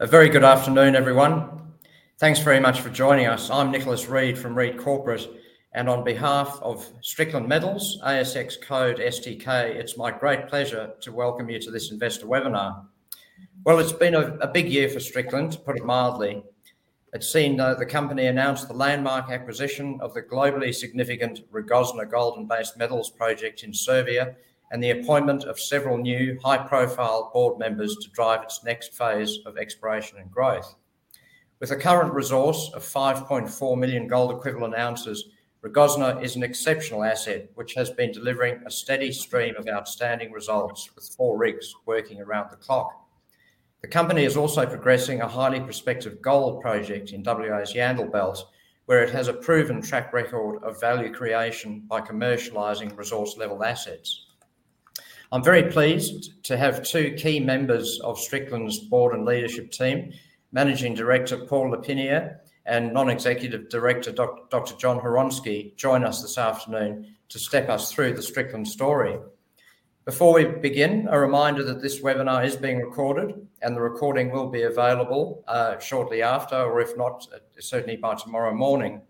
A very good afternoon, everyone. Thanks very much for joining us. I'm Nicholas Reed from Reed Corporate, and on behalf of Strickland Metals, ASX code STK, it's my great pleasure to welcome you to this investor webinar. Well, it's been a big year for Strickland, to put it mildly. It's seen the company announce the landmark acquisition of the globally significant Rogozna gold and base metals project in Serbia, and the appointment of several new high-profile board members to drive its next phase of exploration and growth. With a current resource of 5.4 million gold equivalent ounces, Rogozna is an exceptional asset, which has been delivering a steady stream of outstanding results, with four rigs working around the clock. The company is also progressing a highly prospective gold project in WA's Yandal Belt, where it has a proven track record of value creation by commercializing resource-level assets. I'm very pleased to have two key members of Strickland's board and leadership team, Managing Director Paul L’Herpiniere and Non-Executive Director Dr. Jon Hronsky, join us this afternoon to step us through the Strickland story. Before we begin, a reminder that this webinar is being recorded, and the recording will be available shortly after, or if not, certainly by tomorrow morning.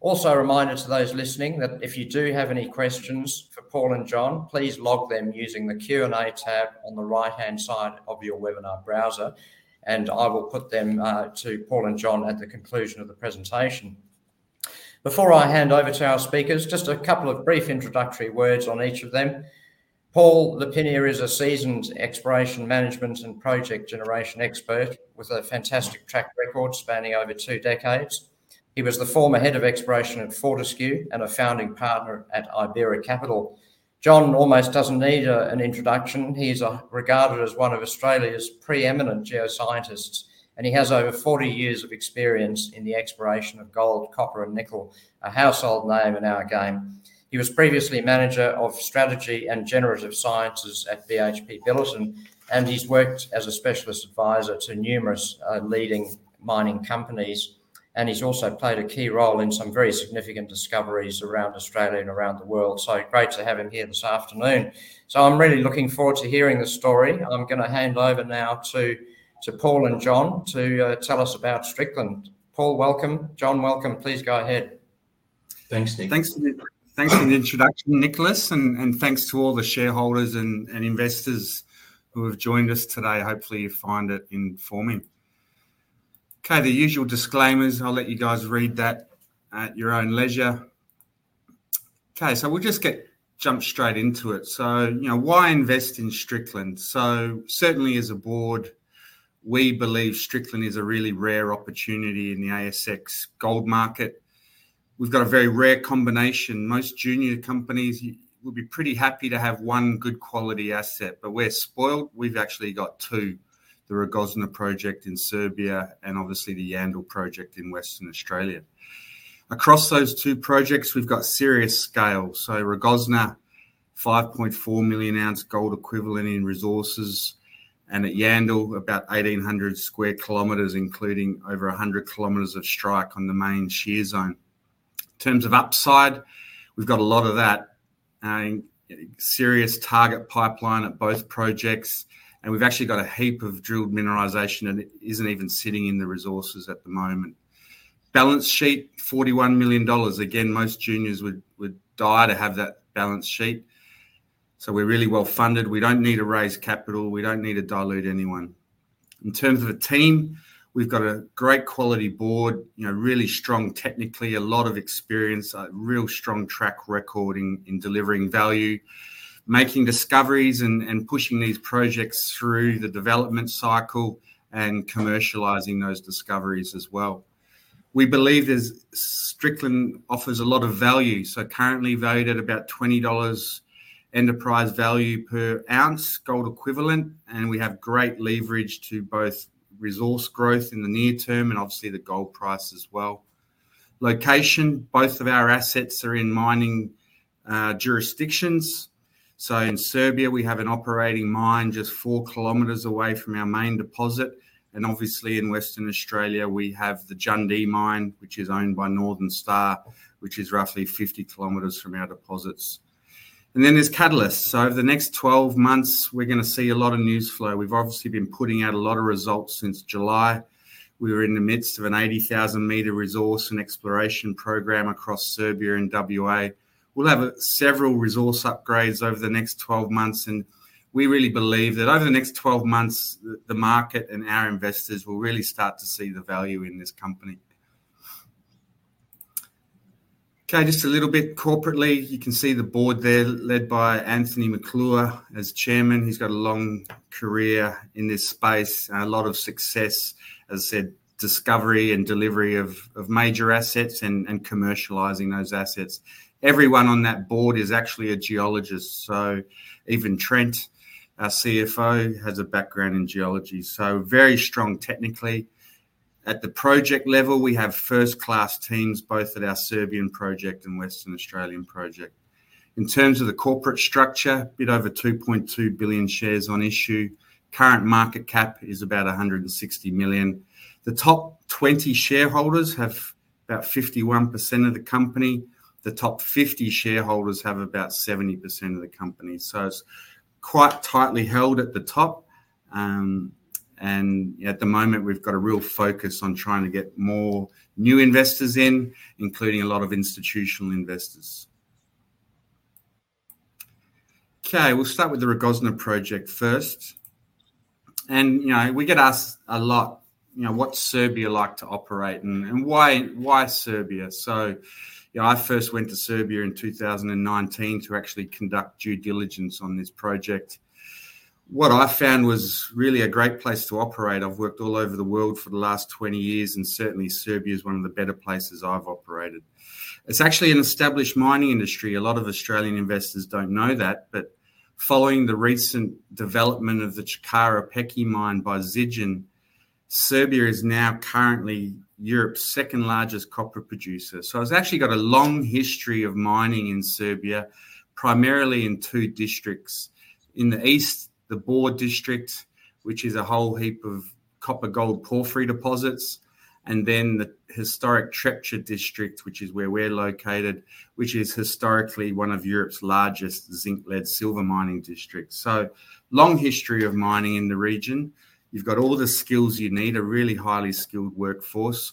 Also, a reminder to those listening that if you do have any questions for Paul and Jon, please log them using the Q&A tab on the right-hand side of your webinar browser, and I will put them to Paul and Jon at the conclusion of the presentation. Before I hand over to our speakers, just a couple of brief introductory words on each of them. Paul L’Herpiniere is a seasoned exploration management and project generation expert with a fantastic track record spanning over two decades. He was the former head of exploration at Fortescue and a founding partner at Ibaera Capital. Jon almost doesn't need an introduction. He is regarded as one of Australia's preeminent geoscientists, and he has over 40 years of experience in the exploration of gold, copper, and nickel, a household name in our game. He was previously manager of strategy and generative sciences at BHP Billiton, and he's worked as a specialist advisor to numerous leading mining companies, and he's also played a key role in some very significant discoveries around Australia and around the world, so great to have him here this afternoon, so I'm really looking forward to hearing the story. I'm going to hand over now to Paul and Jon to tell us about Strickland. Paul, welcome. Jon, welcome. Please go ahead. Thanks, Nick. Thanks for the introduction, Nicholas, and thanks to all the shareholders and investors who have joined us today. Hopefully, you find it informing. Okay, the usual disclaimers. I'll let you guys read that at your own leisure. Okay, so we'll just jump straight into it. So why invest in Strickland? So certainly, as a board, we believe Strickland is a really rare opportunity in the ASX gold market. We've got a very rare combination. Most junior companies would be pretty happy to have one good quality asset, but we're spoiled. We've actually got two, the Rogozna project in Serbia and obviously the Yandal project in Western Australia. Across those two projects, we've got serious scale. So Rogozna, 5.4 million ounces gold-equivalent in resources, and at Yandal, about 1,800 sq km, including over 100 km of strike on the main shear zone. In terms of upside, we've got a lot of that. Serious target pipeline at both projects, and we've actually got a heap of drilled mineralization that isn't even sitting in the resources at the moment. Balance sheet, 41 million dollars. Again, most juniors would die to have that balance sheet. So we're really well funded. We don't need to raise capital. We don't need to dilute anyone. In terms of a team, we've got a great quality board, really strong technically, a lot of experience, a real strong track record in delivering value, making discoveries and pushing these projects through the development cycle and commercializing those discoveries as well. We believe Strickland offers a lot of value, so currently valued at about 20 dollars enterprise value per ounce gold-equivalent, and we have great leverage to both resource growth in the near term and obviously the gold price as well. Location. Both of our assets are in mining jurisdictions. So in Serbia, we have an operating mine just four km away from our main deposit. And obviously, in Western Australia, we have the Jundee mine, which is owned by Northern Star, which is roughly 50 km from our deposits. And then there's Catalyst. So over the next 12 months, we're going to see a lot of news flow. We've obviously been putting out a lot of results since July. We were in the midst of an 80,000 m resource and exploration program across Serbia and WA. We'll have several resource upgrades over the next 12 months, and we really believe that over the next 12 months, the market and our investors will really start to see the value in this company. Okay, just a little bit corporately, you can see the board there led by Anthony McClure as Chairman. He's got a long career in this space, a lot of success, as I said, discovery and delivery of major assets and commercializing those assets. Everyone on that board is actually a geologist. So even Trent, our CFO, has a background in geology. So very strong technically. At the project level, we have first-class teams, both at our Serbian project and Western Australian project. In terms of the corporate structure, a bit over 2.2 billion shares on issue. Current market cap is about 160 million. The top 20 shareholders have about 51% of the company. The top 50 shareholders have about 70% of the company. So it's quite tightly held at the top. And at the moment, we've got a real focus on trying to get more new investors in, including a lot of institutional investors. Okay, we'll start with the Rogozna project first. We get asked a lot, what's Serbia like to operate and why Serbia? So I first went to Serbia in 2019 to actually conduct due diligence on this project. What I found was really a great place to operate. I've worked all over the world for the last 20 years, and certainly Serbia is one of the better places I've operated. It's actually an established mining industry. A lot of Australian investors don't know that, but following the recent development of the Čukaru Peki mine by Zijin, Serbia is now currently Europe's second-largest copper producer. So it's actually got a long history of mining in Serbia, primarily in two districts. In the east, the Bor District, which is a whole heap of copper-gold porphyry deposits, and then the historic Trepča District, which is where we're located, which is historically one of Europe's largest zinc-lead silver mining districts. Long history of mining in the region. You've got all the skills you need, a really highly skilled workforce.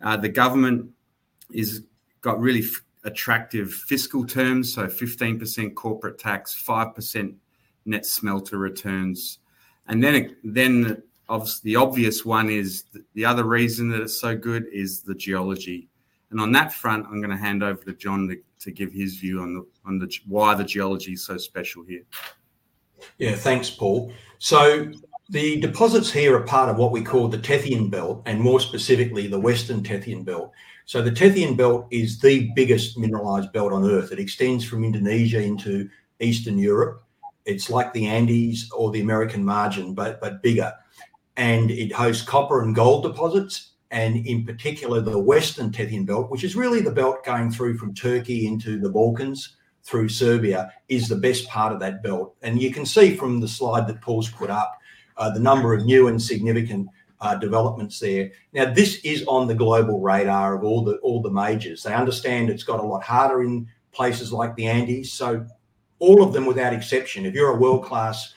The government has got really attractive fiscal terms, so 15% corporate tax, 5% net smelter returns. And then the obvious one is the other reason that it's so good is the geology. And on that front, I'm going to hand over to Jon to give his view on why the geology is so special here. Yeah, thanks, Paul. So the deposits here are part of what we call the Tethyan Belt, and more specifically the Western Tethyan Belt. So the Tethyan Belt is the biggest mineralized belt on earth. It extends from Indonesia into Eastern Europe. It's like the Andes or the American Margin, but bigger. And it hosts copper and gold deposits, and in particular, the Western Tethyan Belt, which is really the belt going through from Turkey into the Balkans through Serbia, is the best part of that belt. And you can see from the slide that Paul's put up the number of new and significant developments there. Now, this is on the global radar of all the majors. They understand it's got a lot harder in places like the Andes. So all of them without exception, if you're a world-class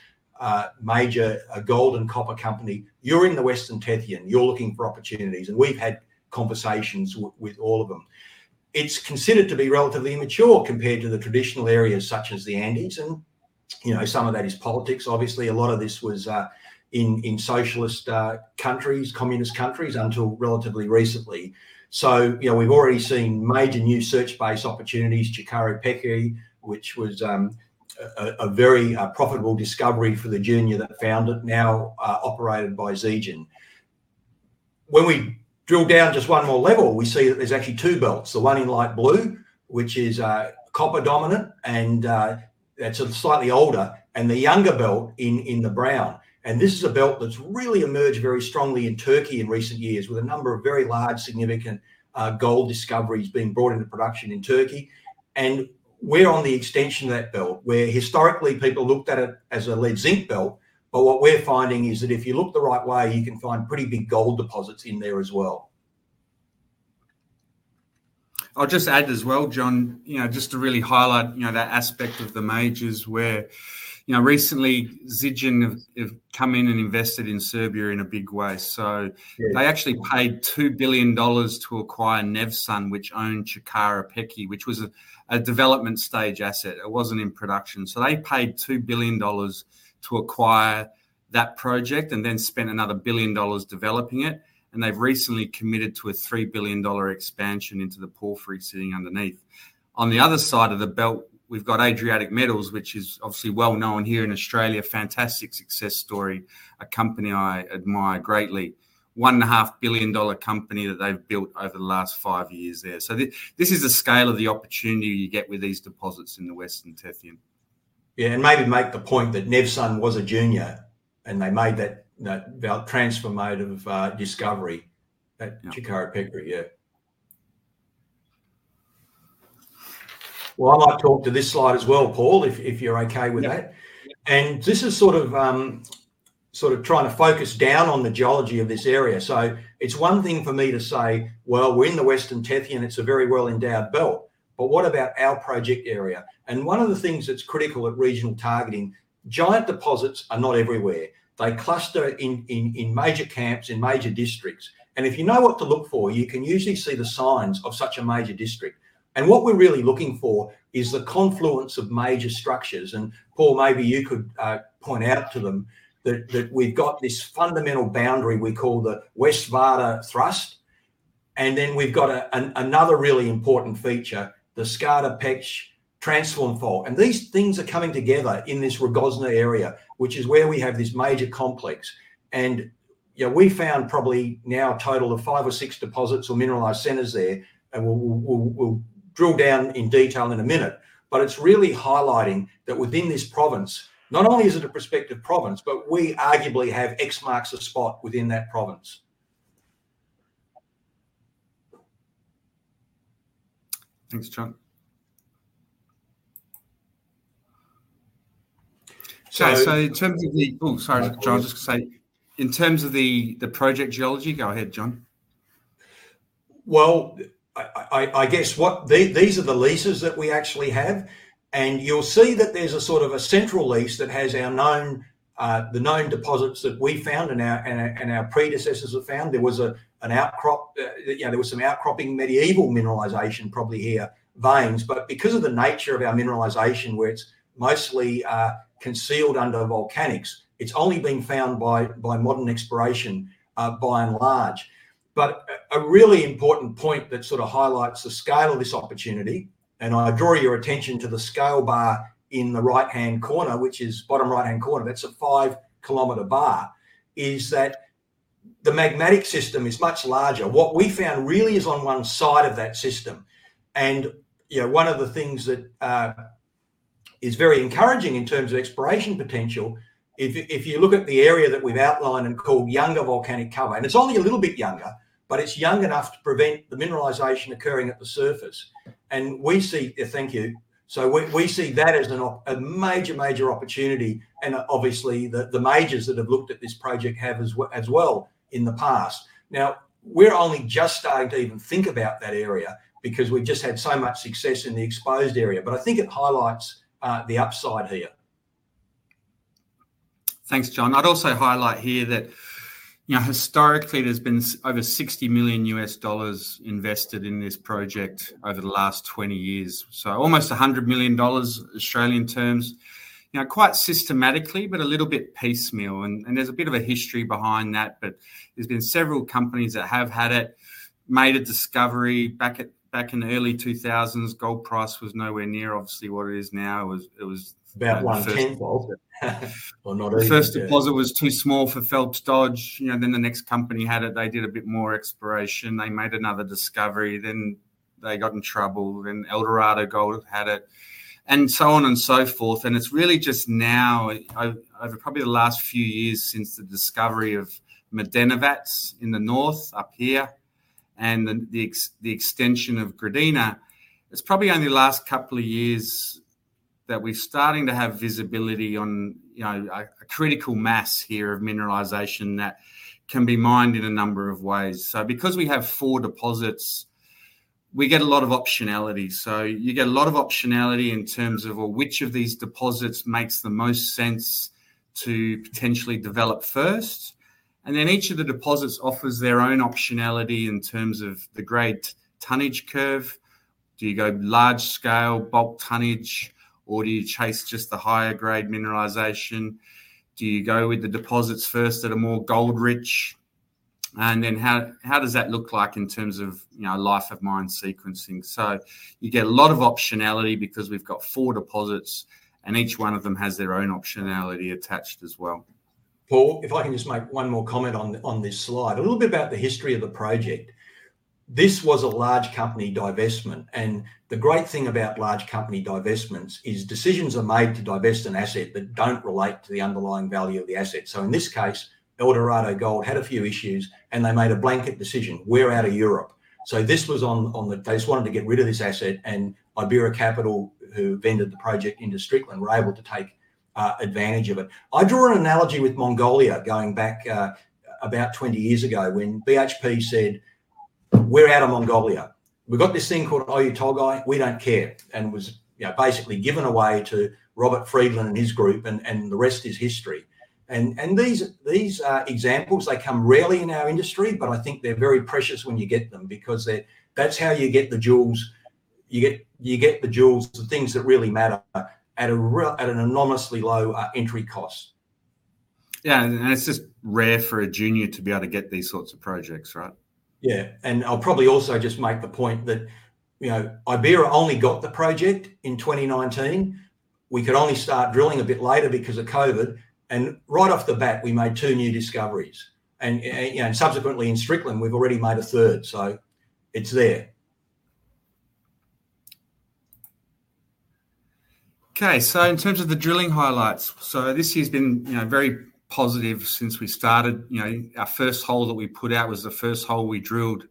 major gold and copper company, you're in the Western Tethyan, you're looking for opportunities, and we've had conversations with all of them. It's considered to be relatively immature compared to the traditional areas such as the Andes, and some of that is politics, obviously. A lot of this was in socialist countries, communist countries, until relatively recently. So we've already seen major new Serbia-based opportunities, Čukaru Peki, which was a very profitable discovery for the junior that found it, now operated by Zijin. When we drill down just one more level, we see that there's actually two belts. The one in light blue, which is copper dominant, and that's slightly older, and the younger belt in the brown. This is a belt that's really emerged very strongly in Turkey in recent years, with a number of very large, significant gold discoveries being brought into production in Turkey. We're on the extension of that belt, where historically people looked at it as a lead-zinc belt, but what we're finding is that if you look the right way, you can find pretty big gold deposits in there as well. I'll just add as well, Jon, just to really highlight that aspect of the majors where recently Zijin have come in and invested in Serbia in a big way. So they actually paid $2 billion to acquire Nevsun, which owned Čukaru Peki, which was a development stage asset. It wasn't in production. So they paid $2 billion to acquire that project and then spent another billion dollars developing it, and they've recently committed to a $3 billion expansion into the porphyry sitting underneath. On the other side of the belt, we've got Adriatic Metals, which is obviously well known here in Australia, fantastic success story, a company I admire greatly, $1.5 billion company that they've built over the last five years there. So this is the scale of the opportunity you get with these deposits in the Western Tethyan. Yeah, and maybe make the point that Nevsun was a junior, and they made that transformative discovery at Čukaru Peki, yeah. Well, I might talk to this slide as well, Paul, if you're okay with that. And this is sort of trying to focus down on the geology of this area. So it's one thing for me to say, well, we're in the Western Tethyan, it's a very well-endowed belt, but what about our project area? And one of the things that's critical at regional targeting, giant deposits are not everywhere. They cluster in major camps, in major districts. And if you know what to look for, you can usually see the signs of such a major district. And what we're really looking for is the confluence of major structures. And Paul, maybe you could point out to them that we've got this fundamental boundary we call the West Vardar thrust, and then we've got another really important feature, the Skadar-Peć transform fault. And these things are coming together in this Rogozna area, which is where we have this major complex. And we found probably now a total of five or six deposits or mineralized centers there. We'll drill down in detail in a minute, but it's really highlighting that within this province, not only is it a prospective province, but we arguably have X marks a spot within that province. Thanks, Jon. So in terms of the, oh, sorry, Jon, I was just going to say, in terms of the project geology, go ahead, Jon. I guess these are the leases that we actually have, and you'll see that there's a sort of a central lease that has the known deposits that we found and our predecessors have found. There was some outcropping medieval mineralization probably here, veins, but because of the nature of our mineralization, where it's mostly concealed under volcanics, it's only been found by modern exploration by and large. A really important point that sort of highlights the scale of this opportunity, and I draw your attention to the scale bar in the right-hand corner, which is bottom right-hand corner, that's a five-kilometer bar, is that the magmatic system is much larger. What we found really is on one side of that system. One of the things that is very encouraging in terms of exploration potential, if you look at the area that we've outlined and called younger volcanic cover, and it's only a little bit younger, but it's young enough to prevent the mineralization occurring at the surface. We see, thank you. So we see that as a major, major opportunity, and obviously the majors that have looked at this project have as well in the past. Now, we're only just starting to even think about that area because we've just had so much success in the exposed area, but I think it highlights the upside here. Thanks, Jon. I'd also highlight here that historically there's been over $60 million USD invested in this project over the last 20 years. So almost $100 million AUD. Quite systematically, but a little bit piecemeal, and there's a bit of a history behind that, but there's been several companies that have had it, made a discovery back in the early 2000s. Gold price was nowhere near, obviously, what it is now. It was. About 1/10, Paul, or not even. The first deposit was too small for Phelps Dodge, then the next company had it. They did a bit more exploration. They made another discovery. Then they got in trouble, then Eldorado Gold had it, and so on and so forth, and it's really just now, over probably the last few years since the discovery of Medenovac in the north up here and the extension of Gradina, it's probably only the last couple of years that we're starting to have visibility on a critical mass here of mineralization that can be mined in a number of ways, so because we have four deposits, we get a lot of optionality, so you get a lot of optionality in terms of which of these deposits makes the most sense to potentially develop first, and then each of the deposits offers their own optionality in terms of the grade tonnage curve. Do you go large-scale bulk tonnage, or do you chase just the higher-grade mineralization? Do you go with the deposits first that are more gold-rich? And then how does that look like in terms of life of mine sequencing? So you get a lot of optionality because we've got four deposits, and each one of them has their own optionality attached as well. Paul, if I can just make one more comment on this slide, a little bit about the history of the project. This was a large company divestment, and the great thing about large company divestments is decisions are made to divest an asset that don't relate to the underlying value of the asset. So in this case, Eldorado Gold had a few issues, and they made a blanket decision, "We're out of Europe." So this was. They just wanted to get rid of this asset, and Ibaera Capital, who vendored the project into Strickland, were able to take advantage of it. I draw an analogy with Mongolia going back about 20 years ago when BHP said, "We're out of Mongolia. We've got this thing called Oyu Tolgoi, we don't care," and was basically given away to Robert Friedland and his group, and the rest is history. These examples, they come rarely in our industry, but I think they're very precious when you get them because that's how you get the jewels. You get the jewels, the things that really matter, at an enormously low entry cost. Yeah, and it's just rare for a junior to be able to get these sorts of projects, right? Yeah, and I'll probably also just make the point that Ibaera only got the project in 2019. We could only start drilling a bit later because of COVID, and right off the bat, we made two new discoveries, and subsequently, in Strickland, we've already made a third, so it's there. Okay, so in terms of the drilling highlights, so this year has been very positive since we started. Our first hole that we put out was the first hole we drilled,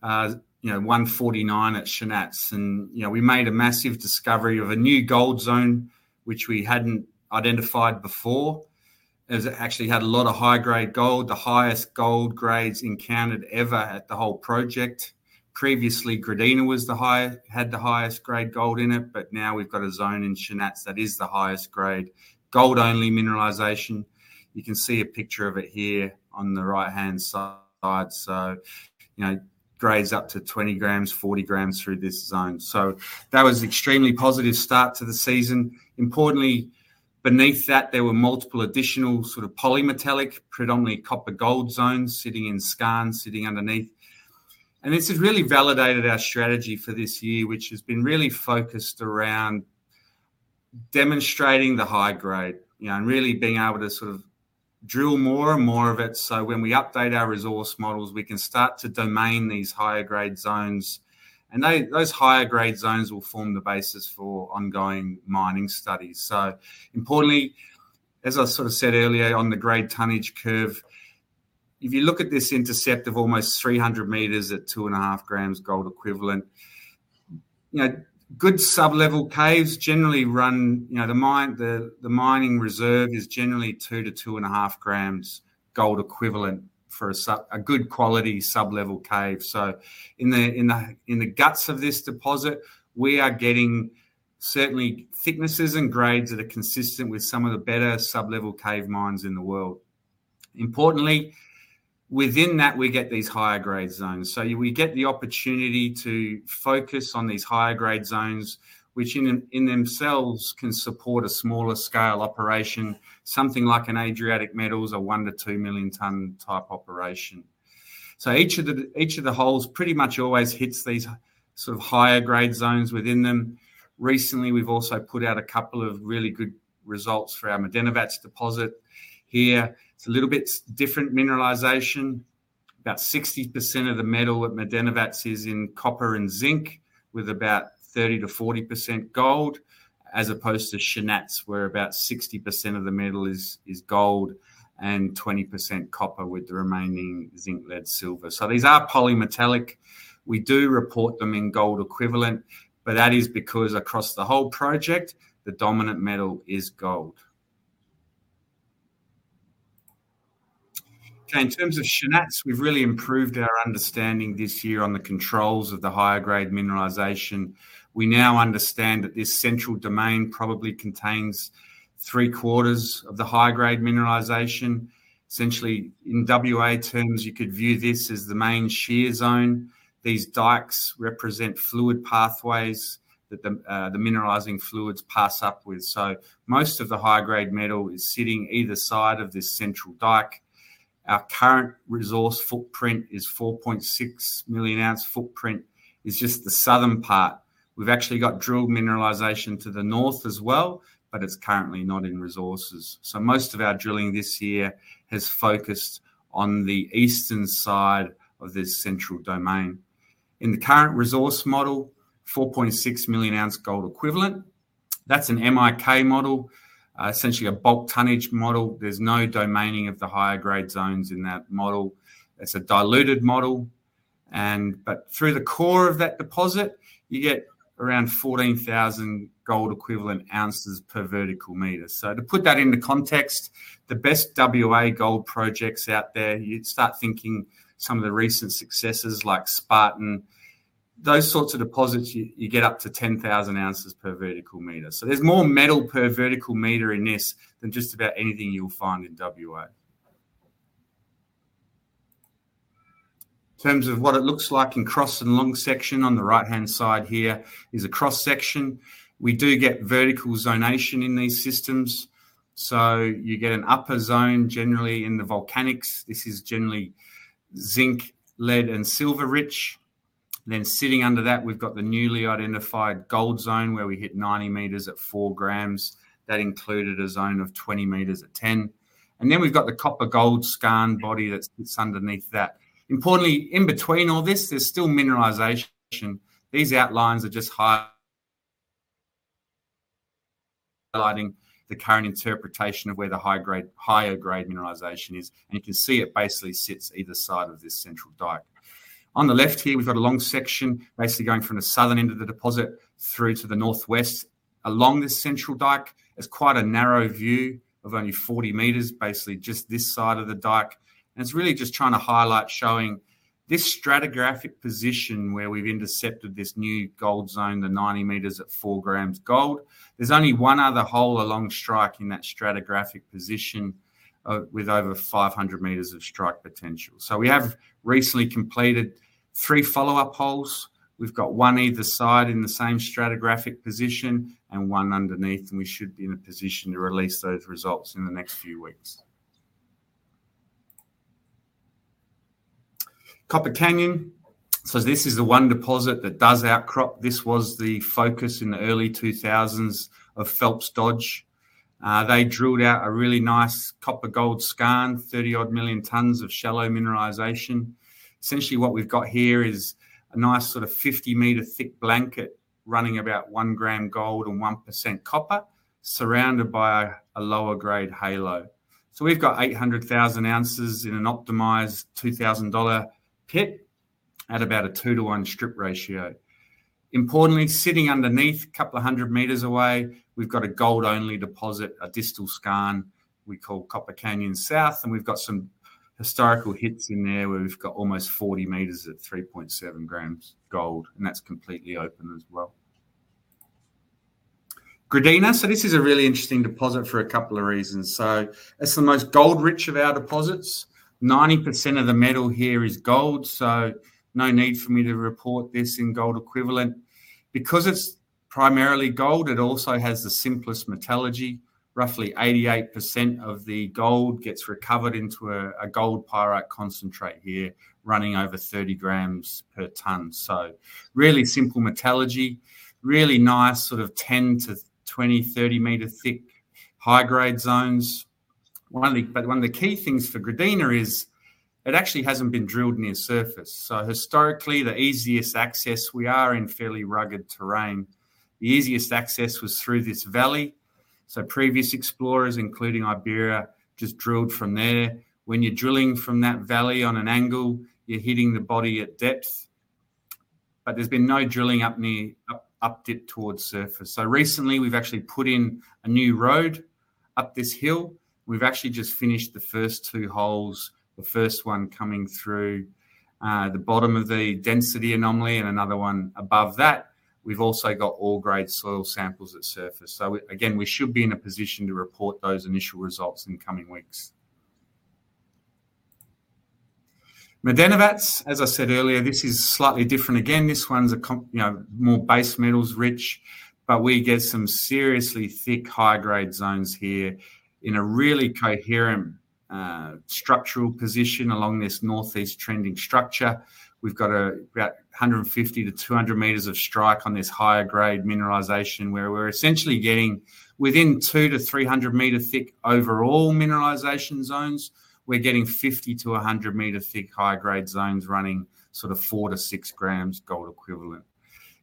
149 at Shanac, and we made a massive discovery of a new gold zone, which we hadn't identified before. It actually had a lot of high-grade gold, the highest gold grades encountered ever at the whole project. Previously, Gradina had the highest grade gold in it, but now we've got a zone in Shanac that is the highest grade, gold-only mineralization. You can see a picture of it here on the right-hand side. So grades up to 20 grams, 40 grams through this zone. So that was an extremely positive start to the season. Importantly, beneath that, there were multiple additional sort of polymetallic, predominantly copper gold zones sitting in Shanac, sitting underneath. And this has really validated our strategy for this year, which has been really focused around demonstrating the high grade and really being able to sort of drill more and more of it. So when we update our resource models, we can start to domain these higher-grade zones, and those higher-grade zones will form the basis for ongoing mining studies. So importantly, as I sort of said earlier on the grade tonnage curve, if you look at this intercept of almost 300 meters at 2.5 grams gold equivalent, good sub-level caves generally run the mining reserve is generally 2-2.5 grams gold equivalent for a good quality sub-level cave. So in the guts of this deposit, we are getting certainly thicknesses and grades that are consistent with some of the better sub-level cave mines in the world. Importantly, within that, we get these higher-grade zones. So we get the opportunity to focus on these higher-grade zones, which in themselves can support a smaller-scale operation, something like an Adriatic Metals, a 1-2 million-ton type operation. Each of the holes pretty much always hits these sort of higher-grade zones within them. Recently, we've also put out a couple of really good results for our Medenovac deposit here. It's a little bit different mineralization. About 60% of the metal at Medenovac is in copper and zinc, with about 30%-40% gold, as opposed to Shanac, where about 60% of the metal is gold and 20% copper with the remaining zinc-lead silver. These are polymetallic. We do report them in gold equivalent, but that is because across the whole project, the dominant metal is gold. Okay, in terms of Shanac, we've really improved our understanding this year on the controls of the higher-grade mineralization. We now understand that this central domain probably contains three-quarters of the high-grade mineralization. Essentially, in WA terms, you could view this as the main shear zone. These dykes represent fluid pathways that the mineralizing fluids pass up with, so most of the high-grade metal is sitting either side of this central dike. Our current resource footprint is 4.6 million ounce footprint, is just the southern part. We've actually got drilled mineralization to the north as well, but it's currently not in resources, so most of our drilling this year has focused on the eastern side of this central domain. In the current resource model, 4.6 million ounce gold equivalent, that's an MIK model, essentially a bulk tonnage model. There's no domaining of the higher-grade zones in that model. It's a diluted model, but through the core of that deposit, you get around 14,000 gold equivalent ounces per vertical meter. To put that into context, the best WA gold projects out there, you'd start thinking some of the recent successes like Spartan, those sorts of deposits, you get up to 10,000 ounces per vertical meter. There's more metal per vertical meter in this than just about anything you'll find in WA. In terms of what it looks like in cross and long section, on the right-hand side here is a cross section. We do get vertical zonation in these systems. You get an upper zone generally in the volcanics. This is generally zinc-lead and silver-rich. Then sitting under that, we've got the newly identified gold zone where we hit 90 meters at 4 grams. That included a zone of 20 meters at 10. We've got the copper gold Šanac body that sits underneath that. Importantly, in between all this, there's still mineralization. These outlines are just highlighting the current interpretation of where the higher-grade mineralization is. And you can see it basically sits either side of this central dike. On the left here, we've got a long section basically going from the southern end of the deposit through to the northwest. Along this central dike, it's quite a narrow view of only 40 meters, basically just this side of the dike. And it's really just trying to highlight, showing this stratigraphic position where we've intercepted this new gold zone, the 90 meters at 4 grams gold. There's only one other hole along strike in that stratigraphic position with over 500 meters of strike potential. So we have recently completed three follow-up holes. We've got one either side in the same stratigraphic position and one underneath, and we should be in a position to release those results in the next few weeks. Copper Canyon. This is the one deposit that does outcrop. This was the focus in the early 2000s of Phelps Dodge. They drilled out a really nice copper-gold skarn, 30-odd million tons of shallow mineralization. Essentially, what we've got here is a nice sort of 50-meter thick blanket running about 1 gram gold and 1% copper, surrounded by a lower-grade halo. We've got 800,000 ounces in an optimized $2,000 pit at about a 2:1 strip ratio. Importantly, sitting underneath, a couple of hundred meters away, we've got a gold-only deposit, a distal skarn we call Copper Canyon South. We've got some historical hits in there where we've got almost 40 meters at 3.7 grams gold, and that's completely open as well. Gradina. This is a really interesting deposit for a couple of reasons. It's the most gold-rich of our deposits. 90% of the metal here is gold, so no need for me to report this in gold equivalent. Because it's primarily gold, it also has the simplest metallurgy. Roughly 88% of the gold gets recovered into a gold pyrite concentrate here running over 30 grams per ton. So really simple metallurgy. Really nice sort of 10 to 20, 30-meter thick high-grade zones. But one of the key things for Gradina is it actually hasn't been drilled near surface. So historically, the easiest access, we are in fairly rugged terrain. The easiest access was through this valley. So previous explorers, including Ibaera, just drilled from there. When you're drilling from that valley on an angle, you're hitting the body at depth. But there's been no drilling up towards surface. So recently, we've actually put in a new road up this hill. We've actually just finished the first two holes, the first one coming through the bottom of the density anomaly and another one above that. We've also got all-grade soil samples at surface. So again, we should be in a position to report those initial results in coming weeks. Medenovac, as I said earlier, this is slightly different. Again, this one's more base metals rich, but we get some seriously thick high-grade zones here in a really coherent structural position along this northeast trending structure. We've got about 150-200 meters of strike on this higher-grade mineralization where we're essentially getting within 2-300-meter thick overall mineralization zones. We're getting 50-100-meter thick high-grade zones running sort of 4-6 grams gold equivalent.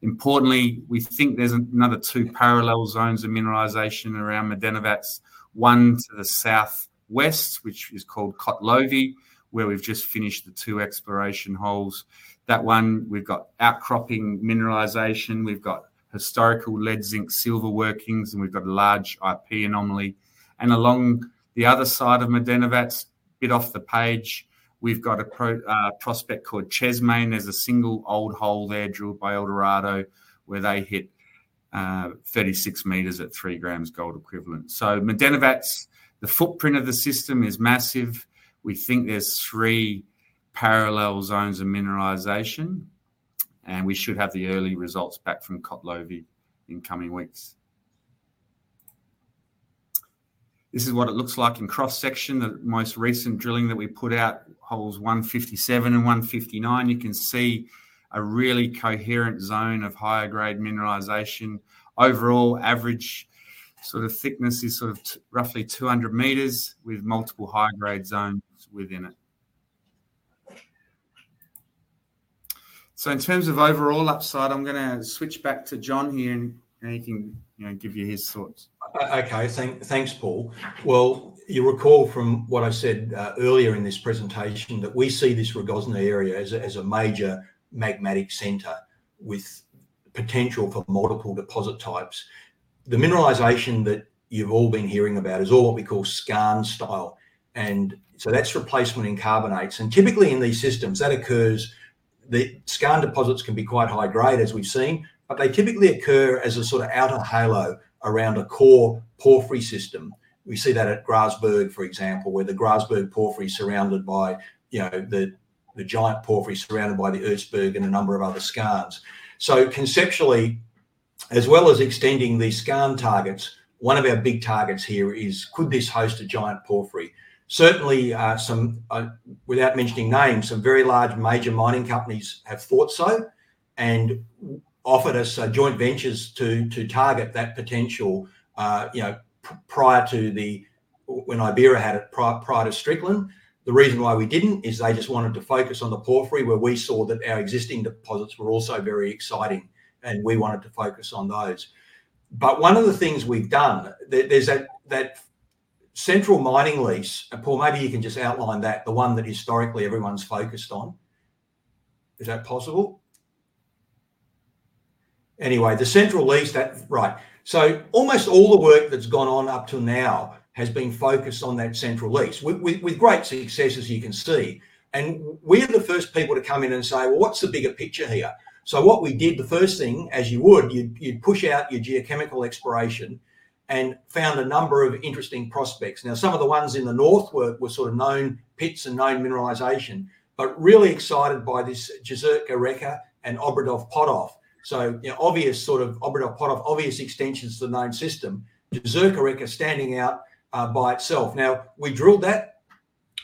Importantly, we think there's another two parallel zones of mineralization around Medenovac, one to the southwest, which is called Kotlovi, where we've just finished the two exploration holes. That one, we've got outcropping mineralization. We've got historical lead-zinc silver workings, and we've got a large IP anomaly. Along the other side of Medenovac, a bit off the page, we've got a prospect called Česme. There's a single old hole there drilled by Eldorado where they hit 36 meters at three grams gold equivalent. So Medenovac, the footprint of the system is massive. We think there's three parallel zones of mineralization, and we should have the early results back from Kotlovi in coming weeks. This is what it looks like in cross section. The most recent drilling that we put out, holes 157 and 159, you can see a really coherent zone of higher-grade mineralization. Overall, average sort of thickness is sort of roughly 200 meters with multiple high-grade zones within it. So in terms of overall upside, I'm going to switch back to Jon here, and he can give you his thoughts. Okay, thanks, Paul. Well, you recall from what I said earlier in this presentation that we see this Rogozna area as a major magmatic center with potential for multiple deposit types. The mineralization that you've all been hearing about is all what we call skarn style. And so that's replacement in carbonates. And typically in these systems, that occurs. The skarn deposits can be quite high grade, as we've seen, but they typically occur as a sort of outer halo around a core porphyry system. We see that at Grasberg, for example, where the Grasberg porphyry is surrounded by the giant porphyry surrounded by the Ertsberg and a number of other skarns. So conceptually, as well as extending these skarn targets, one of our big targets here is, could this host a giant porphyry? Certainly, without mentioning names, some very large major mining companies have thought so and offered us joint ventures to target that potential prior to when Ibaera had it, prior to Strickland. The reason why we didn't is they just wanted to focus on the porphyry where we saw that our existing deposits were also very exciting, and we wanted to focus on those. But one of the things we've done, there's that central mining lease. And Paul, maybe you can just outline that, the one that historically everyone's focused on. Is that possible? Anyway, the central lease, right. So almost all the work that's gone on up to now has been focused on that central lease with great success, as you can see. We're the first people to come in and say, "Well, what's the bigger picture here?" What we did, the first thing, as you would, you'd push out your geochemical exploration and found a number of interesting prospects. Now, some of the ones in the north were sort of known pits and known mineralization, but really excited by this Jezerska Reka and Obradov Potok. Obvious sort of Obradov Potok, obvious extensions to the known system, Jezerska Reka standing out by itself. Now, we drilled that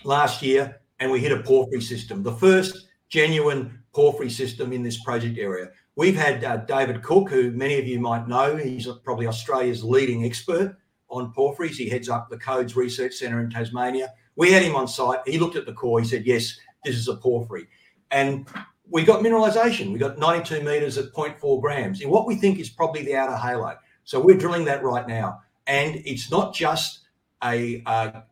last year, and we hit a porphyry system, the first genuine porphyry system in this project area. We've had David Cooke, who many of you might know. He's probably Australia's leading expert on porphyry. He heads up the CODES Research Centre in Tasmania. We had him on site. He looked at the core. He said, "Yes, this is a porphyry." And we got mineralization. We got 92 meters at 0.4 grams. And what we think is probably the outer halo. So we're drilling that right now. And it's not just a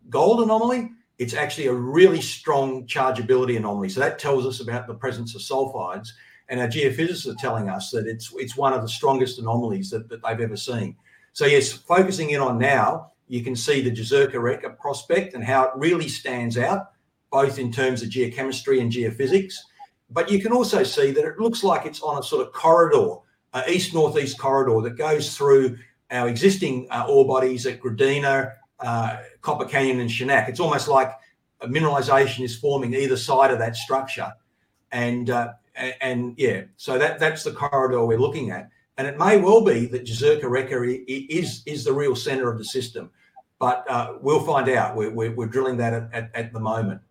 gold anomaly. It's actually a really strong chargeability anomaly. So that tells us about the presence of sulfides. And our geophysicists are telling us that it's one of the strongest anomalies that they've ever seen. So yes, focusing in on now, you can see the Jezerska Reka prospect and how it really stands out, both in terms of geochemistry and geophysics. But you can also see that it looks like it's on a sort of corridor, an east-northeast corridor that goes through our existing ore bodies at Gradina, Copper Canyon, and Shanac. It's almost like mineralization is forming either side of that structure. And yeah, so that's the corridor we're looking at. And it may well be that Jezerska Reka is the real center of the system. But we'll find out. We're drilling that at the moment.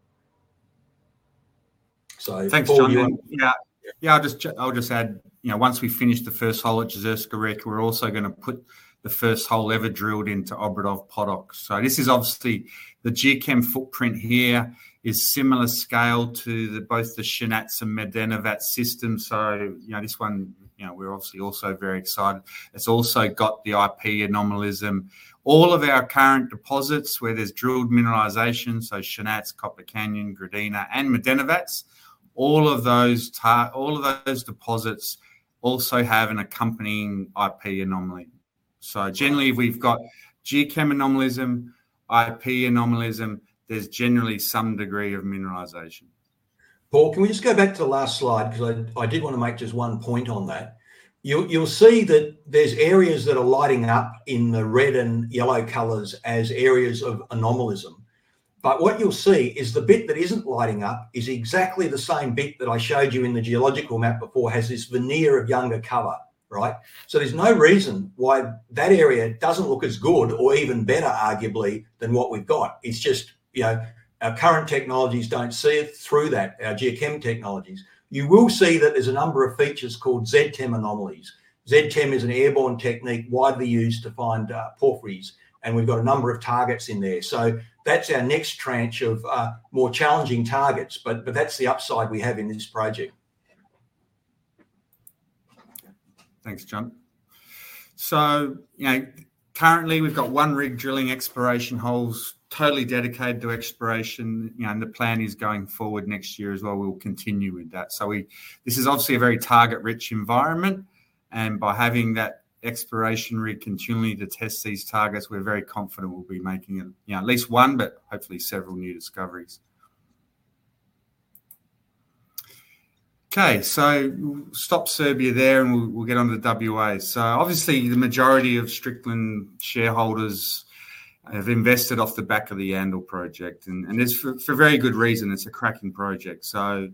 So Paul, you want to? Thanks, Jon. Yeah, I'll just add, once we finish the first hole at Jezerska Reka, we're also going to put the first hole ever drilled into Obradov Potok. So this is obviously the geochem footprint here is similar scale to both the Shanac's and Medenovac's system. So this one, we're obviously also very excited. It's also got the IP anomaly. All of our current deposits where there's drilled mineralization, so Shanac's, Copper Canyon, Gradina, and Medenovac's, all of those deposits also have an accompanying IP anomaly. So generally, if we've got geochem anomaly, IP anomaly, there's generally some degree of mineralization. Paul, can we just go back to the last slide? Because I did want to make just one point on that. You'll see that there's areas that are lighting up in the red and yellow colors as areas of anomalism. But what you'll see is the bit that isn't lighting up is exactly the same bit that I showed you in the geological map before has this veneer of younger color, right? So there's no reason why that area doesn't look as good or even better, arguably, than what we've got. It's just our current technologies don't see it through that, our geochem technologies. You will see that there's a number of features called ZTEM anomalies. ZTEM is an airborne technique widely used to find porphyries. And we've got a number of targets in there. So that's our next tranche of more challenging targets. But that's the upside we have in this project. Thanks, Jon. So currently, we've got one rig drilling exploration holes, totally dedicated to exploration. And the plan is going forward next year as well. We'll continue with that. So this is obviously a very target-rich environment. And by having that exploration rig continually to test these targets, we're very confident we'll be making at least one, but hopefully several new discoveries. Okay, so we'll stop Serbia there and we'll get on to the WAs. So obviously, the majority of Strickland shareholders have invested off the back of the Yandal project. And it's for very good reason. It's a cracking project. So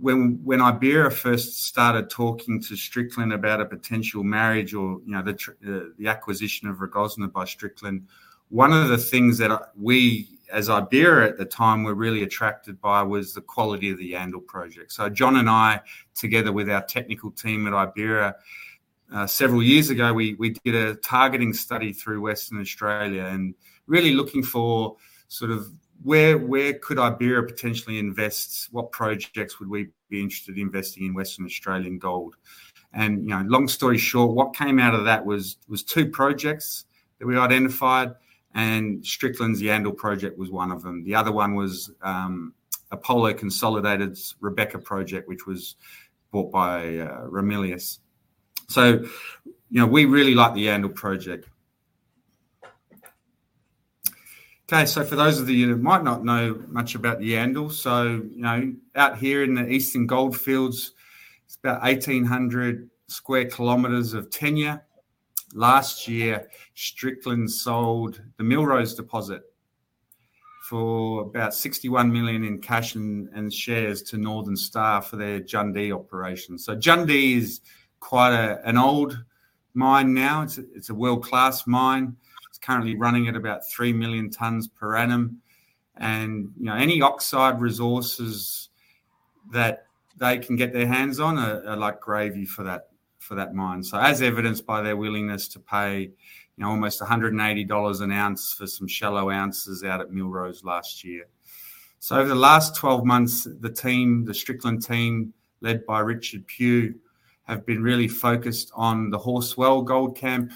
when Ibaera first started talking to Strickland about a potential marriage or the acquisition of Rogozna by Strickland, one of the things that we, as Ibaera at the time, were really attracted by was the quality of the Yandal project. Jon and I, together with our technical team at Ibaera, several years ago, we did a targeting study throughout Western Australia and really looking for sort of where could Ibaera potentially invest, what projects would we be interested in investing in Western Australian gold. Long story short, what came out of that was two projects that we identified, and Strickland's Yandal project was one of them. The other one was Apollo Consolidated's Rebecca project, which was bought by Ramelius. We really like the Yandal project. Okay, for those of you who might not know much about the Yandal, out here in the Eastern Goldfields, it's about 1,800 square kilometers of tenure. Last year, Strickland sold the Millrose deposit for about 61 million in cash and shares to Northern Star for their Jundee operation. Jundee is quite an old mine now. It's a world-class mine. It's currently running at about 3 million tons per annum. And any oxide resources that they can get their hands on are like gravy for that mine. So as evidenced by their willingness to pay almost $180 an ounce for some shallow ounces out at Millrose last year. So over the last 12 months, the team, the Strickland team led by Richard Pugh, have been really focused on the Horse Well Gold Camp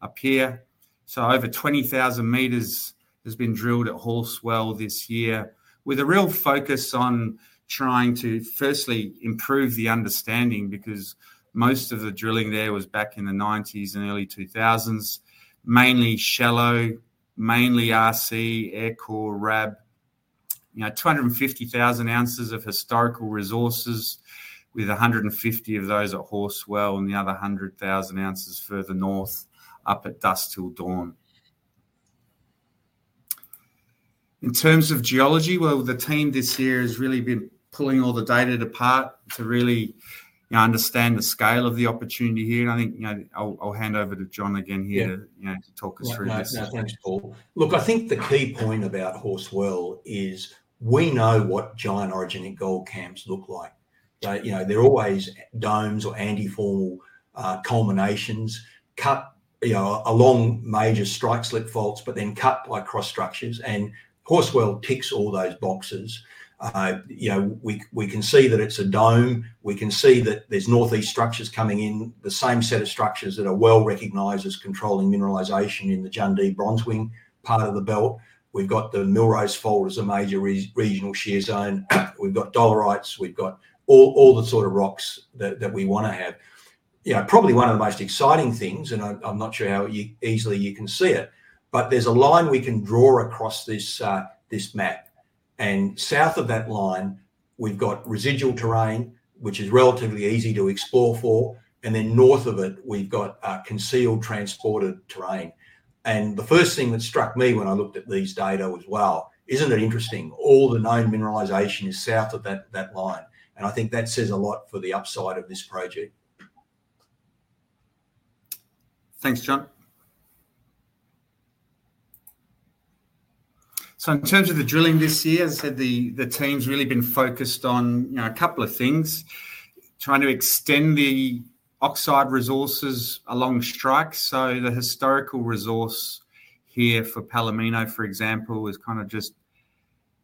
up here. So over 20,000 meters has been drilled at Horse Well this year, with a real focus on trying to firstly improve the understanding because most of the drilling there was back in the 1990s and early 2000s, mainly shallow, mainly RC, aircore, RAB. 250,000 ounces of historical resources, with 150 of those at Horse Well and the other 100,000 ounces further north up at Dusk til Dawn. In terms of geology, well, the team this year has really been pulling all the data apart to really understand the scale of the opportunity here. And I think I'll hand over to Jon again here to talk us through this. Thanks, Paul. Look, I think the key point about Horse Well is we know what giant organic gold camps look like. They're always domes or antiformal culminations cut along major strike-slip faults, but then cut by cross structures. And Horse Well ticks all those boxes. We can see that it's a dome. We can see that there's northeast structures coming in, the same set of structures that are well recognized as controlling mineralization in the Jundee Bronzewing part of the belt. We've got the Millrose Fault as a major regional shear zone. We've got dolerites. We've got all the sort of rocks that we want to have. Probably one of the most exciting things, and I'm not sure how easily you can see it, but there's a line we can draw across this map. And south of that line, we've got residual terrain, which is relatively easy to explore for. And then north of it, we've got concealed transported terrain. And the first thing that struck me when I looked at these data as well, isn't it interesting? All the known mineralization is south of that line. And I think that says a lot for the upside of this project. Thanks, Jon. So in terms of the drilling this year, as I said, the team's really been focused on a couple of things, trying to extend the oxide resources along strike. So the historical resource here for Palomino, for example, is kind of just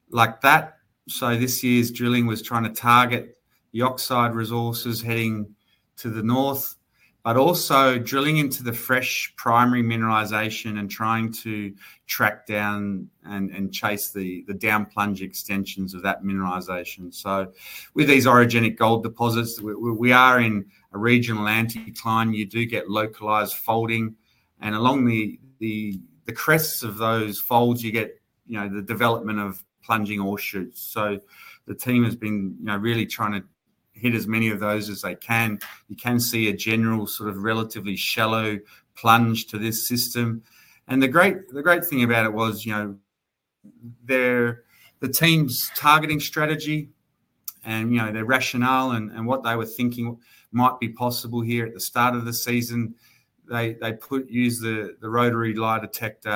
like that. So this year's drilling was trying to target the oxide resources heading to the north, but also drilling into the fresh primary mineralization and trying to track down and chase the downplunge extensions of that mineralization. So with these orogenic gold deposits, we are in a regional anticline. You do get localized folding. And along the crests of those folds, you get the development of plunging ore shoots. So the team has been really trying to hit as many of those as they can. You can see a general sort of relatively shallow plunge to this system. And the great thing about it was the team's targeting strategy and their rationale and what they were thinking might be possible here at the start of the season. They used the rotary air blast.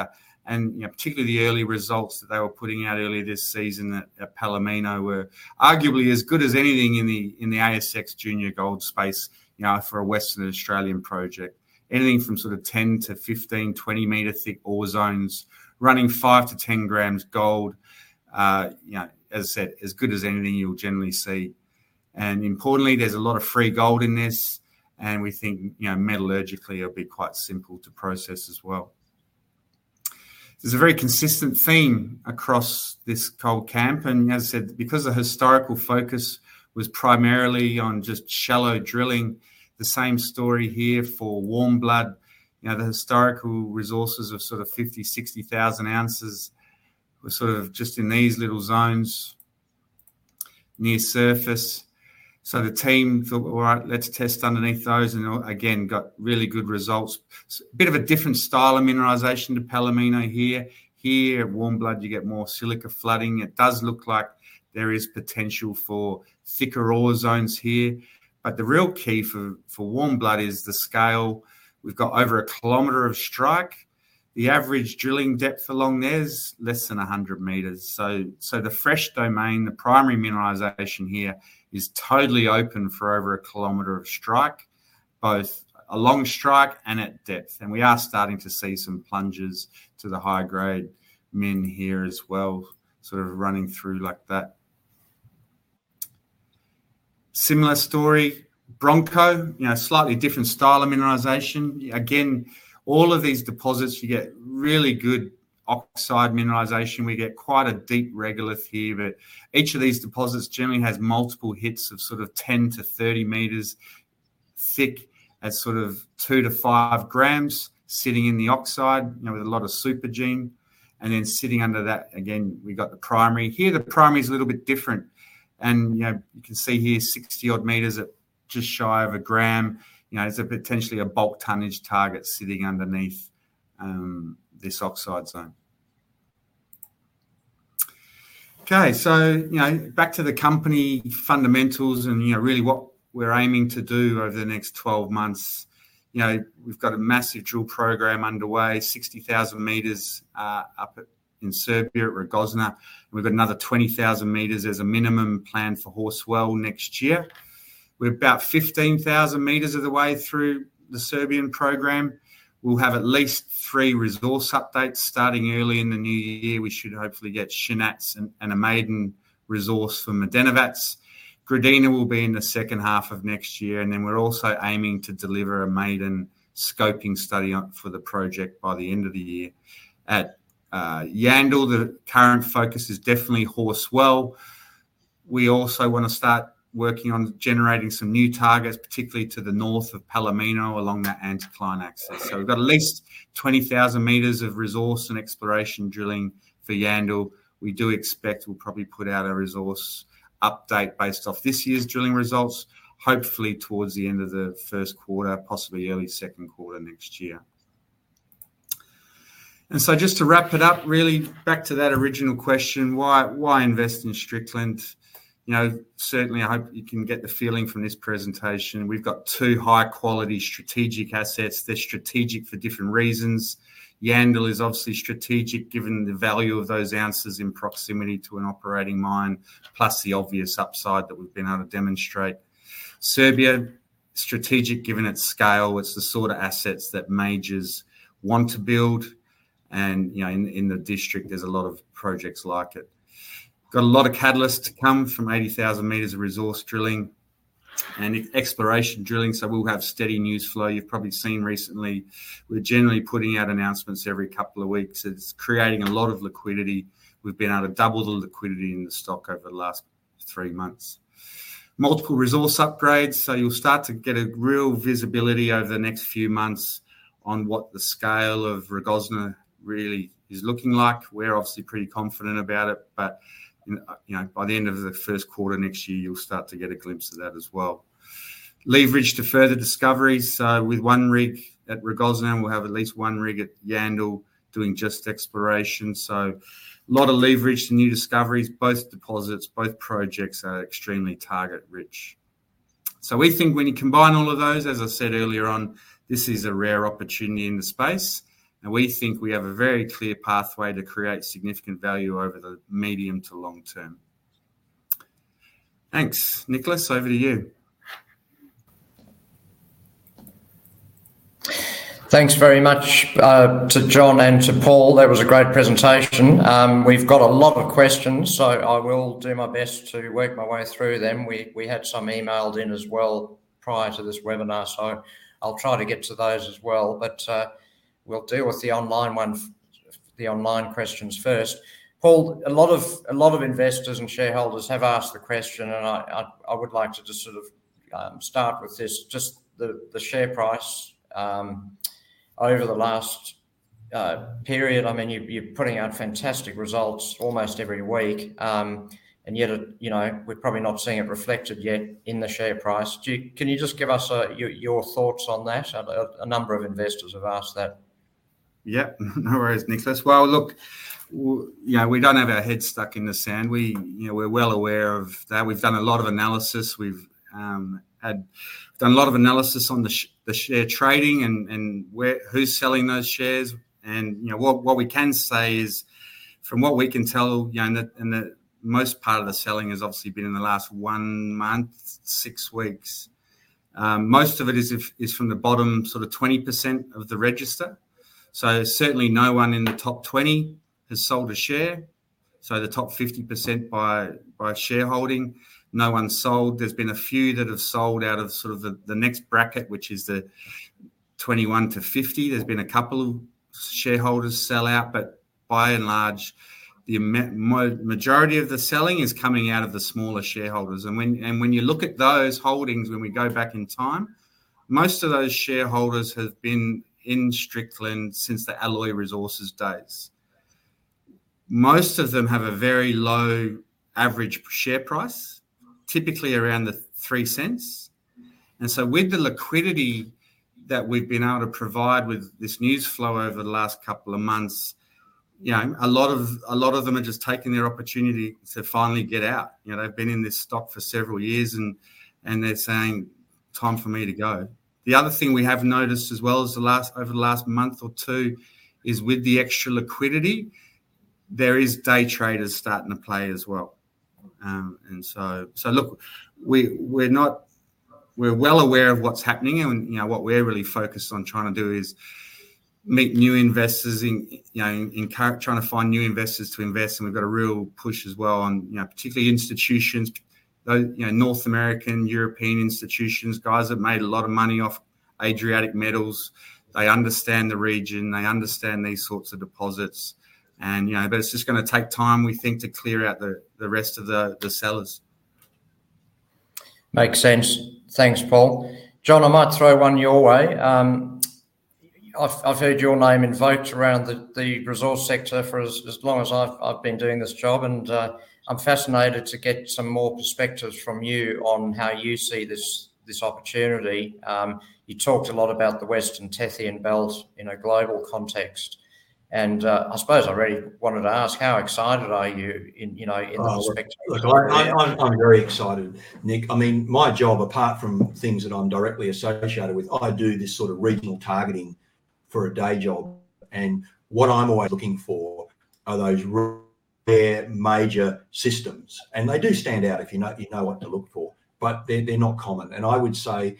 And particularly the early results that they were putting out earlier this season at Palomino were arguably as good as anything in the ASX junior gold space for a Western Australian project. Anything from sort of 10- to 15- or 20-meter thick ore zones, running 5-10 grams gold, as I said, as good as anything you'll generally see. And importantly, there's a lot of free gold in this. And we think metallurgically, it'll be quite simple to process as well. There's a very consistent theme across this gold camp. And as I said, because the historical focus was primarily on just shallow drilling, the same story here for Warmblood. The historical resources of sort of 50,000-60,000 ounces were sort of just in these little zones near surface. So the team thought, "All right, let's test underneath those." And again, got really good results. Bit of a different style of mineralization to Palomino here. Here at Warmblood, you get more silica flooding. It does look like there is potential for thicker ore zones here. But the real key for Warmblood is the scale. We've got over a kilometer of strike. The average drilling depth along there is less than 100 meters. So the fresh domain, the primary mineralization here is totally open for over a kilometer of strike, both along strike and at depth. And we are starting to see some plunges to the high-grade mineralization here as well, sort of running through like that. Similar story, Bronco, slightly different style of mineralization. Again, all of these deposits, you get really good oxide mineralization. We get quite a deep regolith here. But each of these deposits generally has multiple hits of sort of 10-30 meters thick as sort of 2-5 grams sitting in the oxide with a lot of supergene. And then sitting under that, again, we've got the primary. Here, the primary is a little bit different. And you can see here, 60-odd meters at just shy of a gram. It's potentially a bulk tonnage target sitting underneath this oxide zone. Okay, so back to the company fundamentals and really what we're aiming to do over the next 12 months. We've got a massive drill program underway, 60,000 meters up in Serbia at Rogozna. We've got another 20,000 meters as a minimum planned for Horse Well next year. We're about 15,000 meters of the way through the Serbian program. We'll have at least three resource updates starting early in the new year. We should hopefully get Shanac and a maiden resource from Medenovac. Gradina will be in the second half of next year, and then we're also aiming to deliver a maiden scoping study for the project by the end of the year. At Yandal, the current focus is definitely Horse Well. We also want to start working on generating some new targets, particularly to the north of Palomino along that anticline axis, so we've got at least 20,000 meters of resource and exploration drilling for Yandal. We do expect we'll probably put out a resource update based off this year's drilling results, hopefully towards the end of the first quarter, possibly early second quarter next year, and so just to wrap it up, really back to that original question, why invest in Strickland? Certainly, I hope you can get the feeling from this presentation. We've got two high-quality strategic assets. They're strategic for different reasons. Yandal is obviously strategic given the value of those ounces in proximity to an operating mine, plus the obvious upside that we've been able to demonstrate. Serbia, strategic given its scale. It's the sort of assets that majors want to build, and in the district, there's a lot of projects like it. Got a lot of catalysts to come from 80,000 meters of resource drilling and exploration drilling, so we'll have steady news flow. You've probably seen recently. We're generally putting out announcements every couple of weeks. It's creating a lot of liquidity. We've been able to double the liquidity in the stock over the last three months. Multiple resource upgrades. So you'll start to get a real visibility over the next few months on what the scale of Rogozna really is looking like. We're obviously pretty confident about it. But by the end of the first quarter next year, you'll start to get a glimpse of that as well. Leverage to further discoveries. So with one rig at Rogozna, we'll have at least one rig at Yandal doing just exploration. So a lot of leverage to new discoveries. Both deposits, both projects are extremely target-rich. So we think when you combine all of those, as I said earlier on, this is a rare opportunity in the space. And we think we have a very clear pathway to create significant value over the medium to long term. Thanks. Nicholas, over to you. Thanks very much to Jon and to Paul. That was a great presentation. We've got a lot of questions, so I will do my best to work my way through them. We had some emailed in as well prior to this webinar, so I'll try to get to those as well. But we'll deal with the online questions first. Paul, a lot of investors and shareholders have asked the question, and I would like to just sort of start with this. Just the share price over the last period, I mean, you're putting out fantastic results almost every week. And yet we're probably not seeing it reflected yet in the share price. Can you just give us your thoughts on that? A number of investors have asked that. Yep. No worries, Nicholas. Well, look, we don't have our head stuck in the sand. We're well aware of that. We've done a lot of analysis. We've done a lot of analysis on the share trading and who's selling those shares. And what we can say is, from what we can tell, and the most part of the selling has obviously been in the last one month, six weeks. Most of it is from the bottom sort of 20% of the register. So certainly, no one in the top 20 has sold a share. So the top 50% by shareholding, no one sold. There's been a few that have sold out of sort of the next bracket, which is the 21 to 50. There's been a couple of shareholders sell out, but by and large, the majority of the selling is coming out of the smaller shareholders. When you look at those holdings, when we go back in time, most of those shareholders have been in Strickland since the Alloy Resources days. Most of them have a very low average share price, typically around 0.03. With the liquidity that we've been able to provide with this news flow over the last couple of months, a lot of them are just taking their opportunity to finally get out. They've been in this stock for several years, and they're saying, "Time for me to go." The other thing we have noticed as well over the last month or two is with the extra liquidity, there are day traders starting to play as well. Look, we're well aware of what's happening. What we're really focused on trying to do is meet new investors in trying to find new investors to invest. We've got a real push as well on particularly institutions, North American, European institutions, guys that made a lot of money off Adriatic Metals. They understand the region. They understand these sorts of deposits. But it's just going to take time, we think, to clear out the rest of the sellers. Makes sense. Thanks, Paul. Jon, I might throw one your way. I've heard your name invoked around the resource sector for as long as I've been doing this job. And I'm fascinated to get some more perspectives from you on how you see this opportunity. You talked a lot about the Western Tethyan Belt in a global context. And I suppose I really wanted to ask, how excited are you in the perspective of this? Look, I'm very excited, Nick. I mean, my job, apart from things that I'm directly associated with, I do this sort of regional targeting for a day job. And what I'm always looking for are those rare major systems. And they do stand out if you know what to look for, but they're not common. And I would say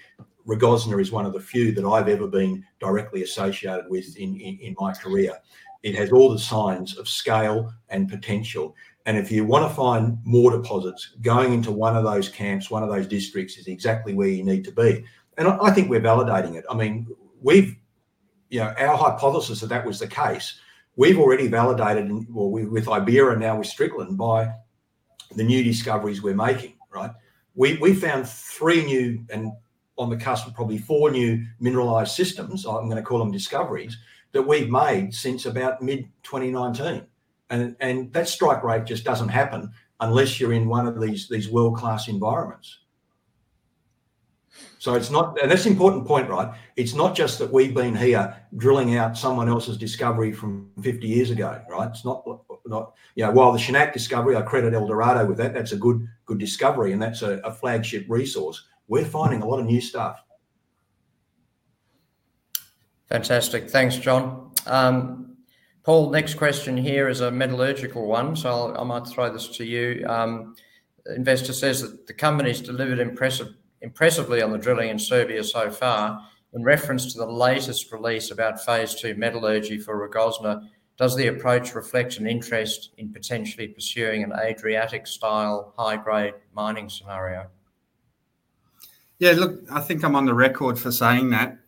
Rogozna is one of the few that I've ever been directly associated with in my career. It has all the signs of scale and potential. And if you want to find more deposits, going into one of those camps, one of those districts is exactly where you need to be. And I think we're validating it. I mean, our hypothesis that that was the case, we've already validated with Ibaera and now with Strickland by the new discoveries we're making, right? We found three new and on the cusp of probably four new mineralized systems, I'm going to call them discoveries, that we've made since about mid-2019. And that strike rate just doesn't happen unless you're in one of these world-class environments. And that's an important point, right? It's not just that we've been here drilling out someone else's discovery from 50 years ago, right? While the Shanac discovery, I credit Eldorado with that. That's a good discovery, and that's a flagship resource. We're finding a lot of new stuff. Fantastic. Thanks, Jon. Paul, next question here is a metallurgical one, so I might throw this to you. Investor says that the company's delivered impressively on the drilling in Serbia so far. In reference to the latest release about phase two metallurgy for Rogozna, does the approach reflect an interest in potentially pursuing an Adriatic-style high-grade mining scenario? Yeah. Look, I think I'm on the record for saying that.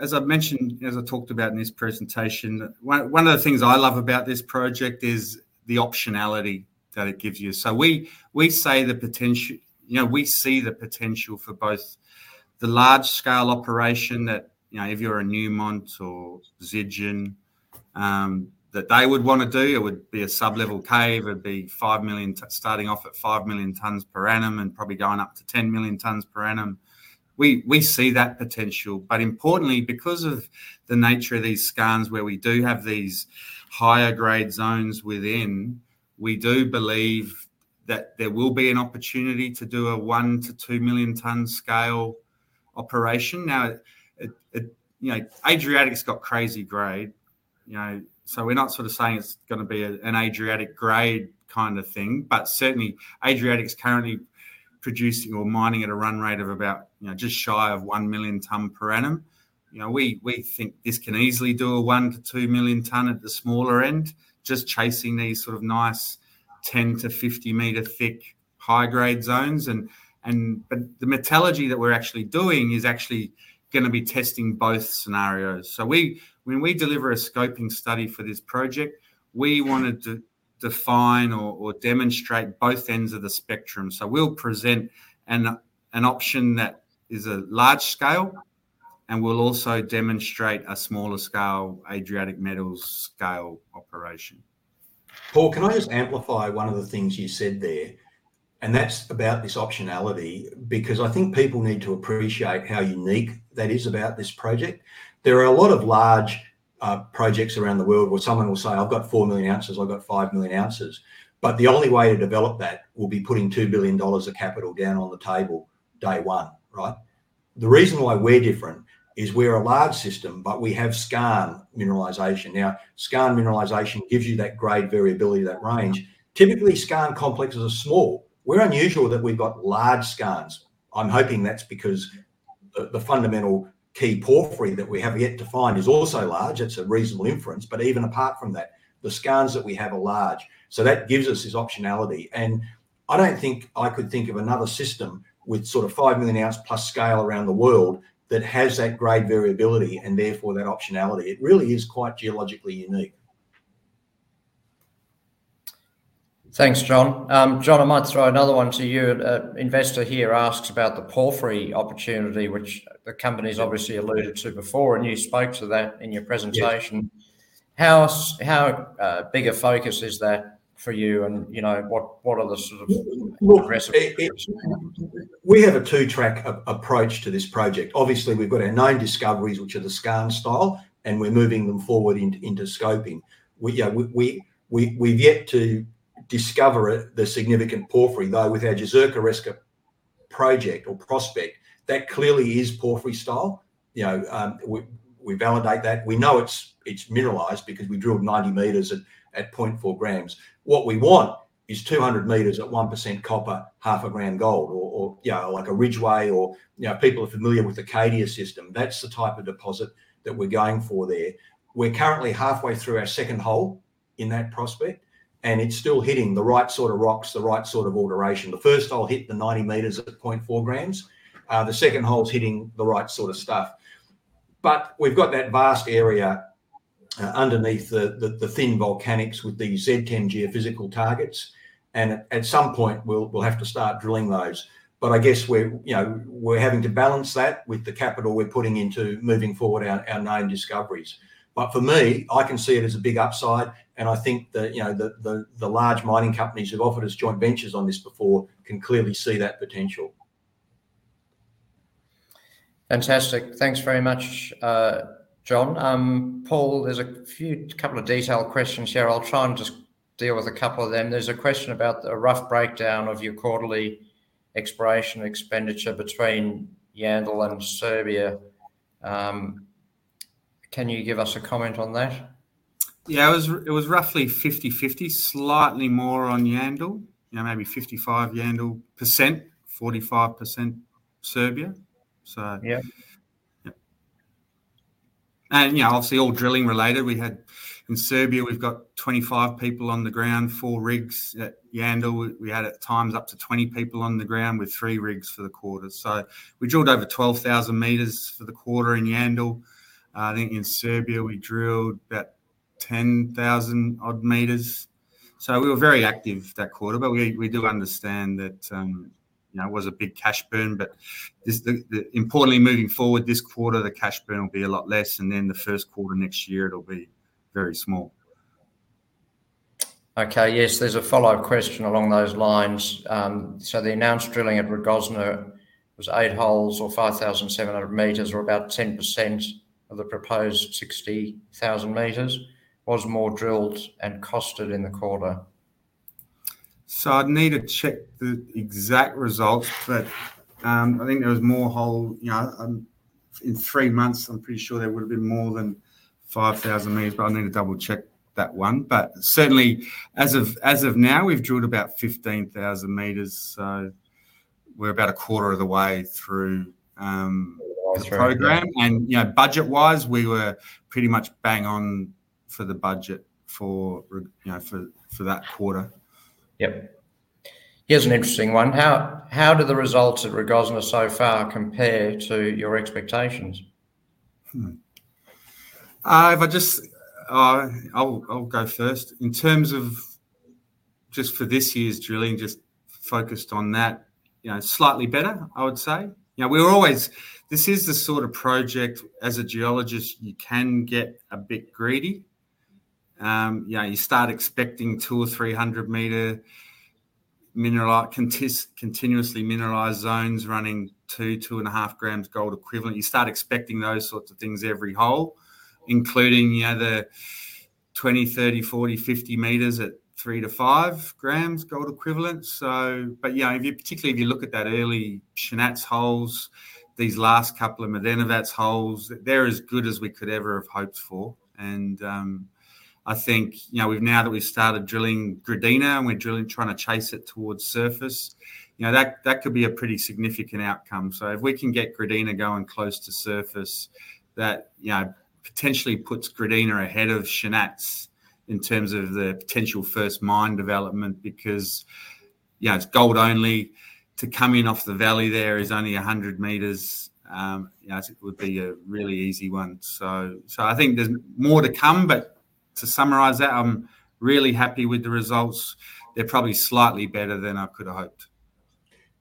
As I mentioned, as I talked about in this presentation, one of the things I love about this project is the optionality that it gives you. So we see the potential for both the large-scale operation that if you're a Newmont or Zijin that they would want to do. It would be a sub-level cave. It would be starting off at five million tons per annum and probably going up to 10 million tons per annum. We see that potential. But importantly, because of the nature of these skarns where we do have these higher-grade zones within, we do believe that there will be an opportunity to do a one- to two-million-ton scale operation. Now, Adriatic's got crazy grade. So we're not sort of saying it's going to be an Adriatic-grade kind of thing. But certainly, Adriatic Metals' currently producing or mining at a run rate of about just shy of one million ton per annum. We think this can easily do a one to two million ton at the smaller end, just chasing these sort of nice 10- to 50-meter-thick high-grade zones. But the metallurgy that we're actually doing is actually going to be testing both scenarios. So when we deliver a scoping study for this project, we wanted to define or demonstrate both ends of the spectrum. So we'll present an option that is a large-scale, and we'll also demonstrate a smaller-scale Adriatic Metals-scale operation. Paul, can I just amplify one of the things you said there, and that's about this optionality because I think people need to appreciate how unique that is about this project. There are a lot of large projects around the world where someone will say, "I've got 4 million ounces. I've got 5 million ounces." But the only way to develop that will be putting $2 billion of capital down on the table day one, right? The reason why we're different is we're a large system, but we have skarn mineralization. Now, skarn mineralization gives you that grade variability, that range. Typically, skarn complexes are small. We're unusual that we've got large skarns. I'm hoping that's because the fundamental key porphyry that we have yet to find is also large. It's a reasonable inference. But even apart from that, the skarns that we have are large. That gives us this optionality. And I don't think I could think of another system with sort of five million ounce plus scale around the world that has that grade variability and therefore that optionality. It really is quite geologically unique. Thanks, Jon. Jon, I might throw another one to you. An investor here asks about the porphyry opportunity, which the company's obviously alluded to before, and you spoke to that in your presentation. How big a focus is that for you? And what are the sort of aggressive approaches? We have a two-track approach to this project. Obviously, we've got our known discoveries, which are the Shanac style, and we're moving them forward into scoping. We've yet to discover the significant porphyry, though with our Jezerska Reka project or prospect, that clearly is porphyry style. We validate that. We know it's mineralized because we drilled 90 meters at 0.4 grams. What we want is 200 meters at 1% copper, half a gram gold, or like a Ridgeway or people are familiar with the Cadia system. That's the type of deposit that we're going for there. We're currently halfway through our second hole in that prospect, and it's still hitting the right sort of rocks, the right sort of alteration. The first hole hit the 90 meters at 0.4 grams. The second hole's hitting the right sort of stuff. But we've got that vast area underneath the thin volcanics with these ZTEM geophysical targets. And at some point, we'll have to start drilling those. But I guess we're having to balance that with the capital we're putting into moving forward our known discoveries. But for me, I can see it as a big upside. And I think that the large mining companies who've offered us joint ventures on this before can clearly see that potential. Fantastic. Thanks very much, Jon. Paul, there's a couple of detailed questions here. I'll try and just deal with a couple of them. There's a question about the rough breakdown of your quarterly exploration expenditure between Yandal and Serbia. Can you give us a comment on that? Yeah. It was roughly 50/50, slightly more on Yandal, maybe 55% Yandal, 45% Serbia. So yeah. And obviously, all drilling related. In Serbia, we've got 25 people on the ground, four rigs at Yandal. We had at times up to 20 people on the ground with three rigs for the quarter. So we drilled over 12,000 meters for the quarter in Yandal. I think in Serbia, we drilled about 10,000 odd meters. So we were very active that quarter, but we do understand that it was a big cash burn. But importantly, moving forward this quarter, the cash burn will be a lot less, and then the first quarter next year, it'll be very small. Okay. Yes, there's a follow-up question along those lines. So the announced drilling at Rogozna was eight holes or 5,700 meters or about 10% of the proposed 60,000 meters. Was more drilled and costed in the quarter? So I'd need to check the exact results, but I think there was more hole. In three months, I'm pretty sure there would have been more than 5,000 meters, but I need to double-check that one. But certainly, as of now, we've drilled about 15,000 meters. So we're about a quarter of the way through the program. And budget-wise, we were pretty much bang on for the budget for that quarter. Yep. Here's an interesting one. How do the results at Rogozna so far compare to your expectations? I'll go first. In terms of just for this year's drilling, just focused on that, slightly better, I would say. This is the sort of project as a geologist, you can get a bit greedy. You start expecting two or 300-meter continuously mineralized zones running two, 2.5 grams gold equivalent. You start expecting those sorts of things every hole, including the 20, 30, 40, 50 meters at three to five grams gold equivalent, but particularly if you look at that early Shanac's holes, these last couple of Medenovac's holes, they're as good as we could ever have hoped for, and I think now that we've started drilling Gradina and we're trying to chase it towards surface, that could be a pretty significant outcome. So if we can get Gradina going close to surface, that potentially puts Gradina ahead of Shanac's in terms of the potential first mine development because it's gold only. To come in off the valley there is only 100 meters. It would be a really easy one. So I think there's more to come. But to summarize that, I'm really happy with the results. They're probably slightly better than I could have hoped.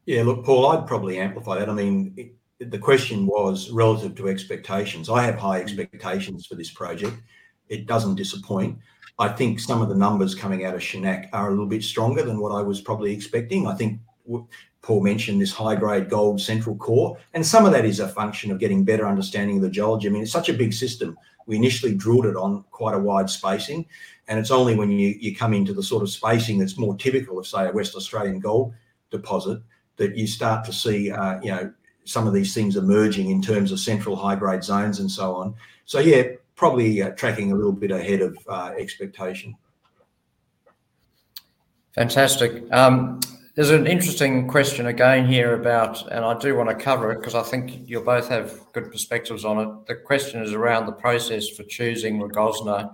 Yeah. Look, Paul, I'd probably amplify that. I mean, the question was relative to expectations. I have high expectations for this project. It doesn't disappoint. I think some of the numbers coming out of Shanac are a little bit stronger than what I was probably expecting. I think Paul mentioned this high-grade gold central core. And some of that is a function of getting a better understanding of the geology. I mean, it's such a big system. We initially drilled it on quite a wide spacing. And it's only when you come into the sort of spacing that's more typical of, say, a West Australian gold deposit that you start to see some of these things emerging in terms of central high-grade zones and so on. So yeah, probably tracking a little bit ahead of expectation. Fantastic. There's an interesting question again here about, and I do want to cover it because I think you both have good perspectives on it. The question is around the process for choosing Rogozna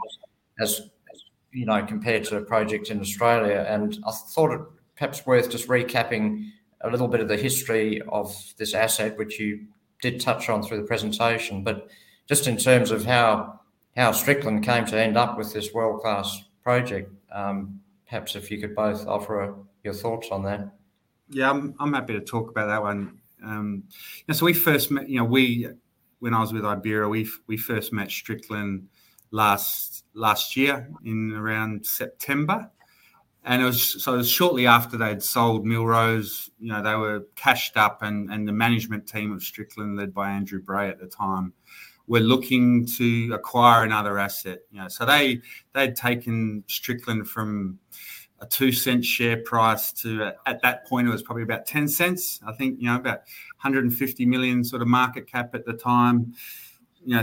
compared to a project in Australia, and I thought it perhaps worth just recapping a little bit of the history of this asset, which you did touch on through the presentation, but just in terms of how Strickland came to end up with this world-class project, perhaps if you could both offer your thoughts on that. Yeah. I'm happy to talk about that one. So when I was with Ibaera, we first met Strickland last year in around September. And so shortly after they'd sold Millrose, they were cashed up. And the management team of Strickland, led by Andrew Bray at the time, were looking to acquire another asset. So they'd taken Strickland from a 2-cent share price to, at that point, it was probably about 10 cents. I think about 150 million sort of market cap at the time,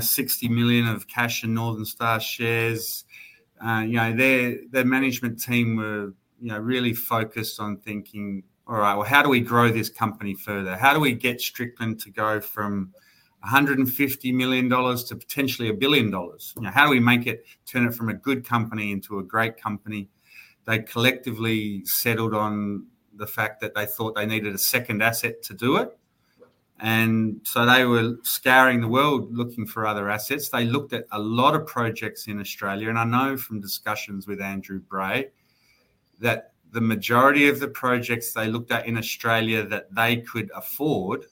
60 million of cash in Northern Star shares. Their management team were really focused on thinking, "All right, well, how do we grow this company further? How do we get Strickland to go from $150 million to potentially a billion dollars? How do we make it, turn it from a good company into a great company?" They collectively settled on the fact that they thought they needed a second asset to do it, and so they were scouring the world looking for other assets. They looked at a lot of projects in Australia. I know from discussions with Andrew Bray that the majority of the projects they looked at in Australia that they could afford,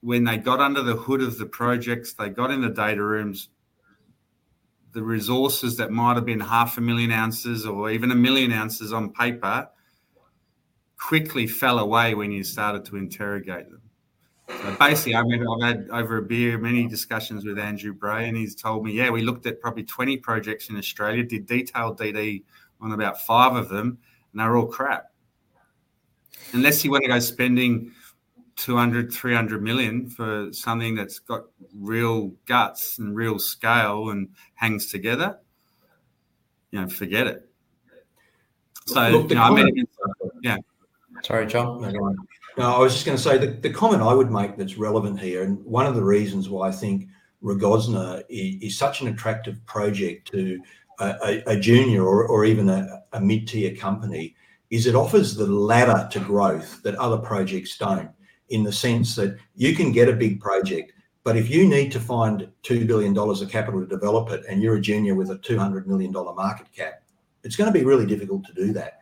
when they got under the hood of the projects, they got in the data rooms, the resources that might have been 500,000 ounces or even 1 million ounces on paper quickly fell away when you started to interrogate them. Basically, I've had over a beer many discussions with Andrew Bray, and he's told me, "Yeah, we looked at probably 20 projects in Australia, did detailed DD on about five of them, and they're all crap." Unless you want to go spending 200 million-300 million for something that's got real guts and real scale and hangs together, forget it. So I mean, yeah. Sorry, Jon. No, I was just going to say the comment I would make that's relevant here, and one of the reasons why I think Rogozna is such an attractive project to a junior or even a mid-tier company, is it offers the ladder to growth that other projects don't in the sense that you can get a big project, but if you need to find $2 billion of capital to develop it and you're a junior with a $200 million market cap, it's going to be really difficult to do that.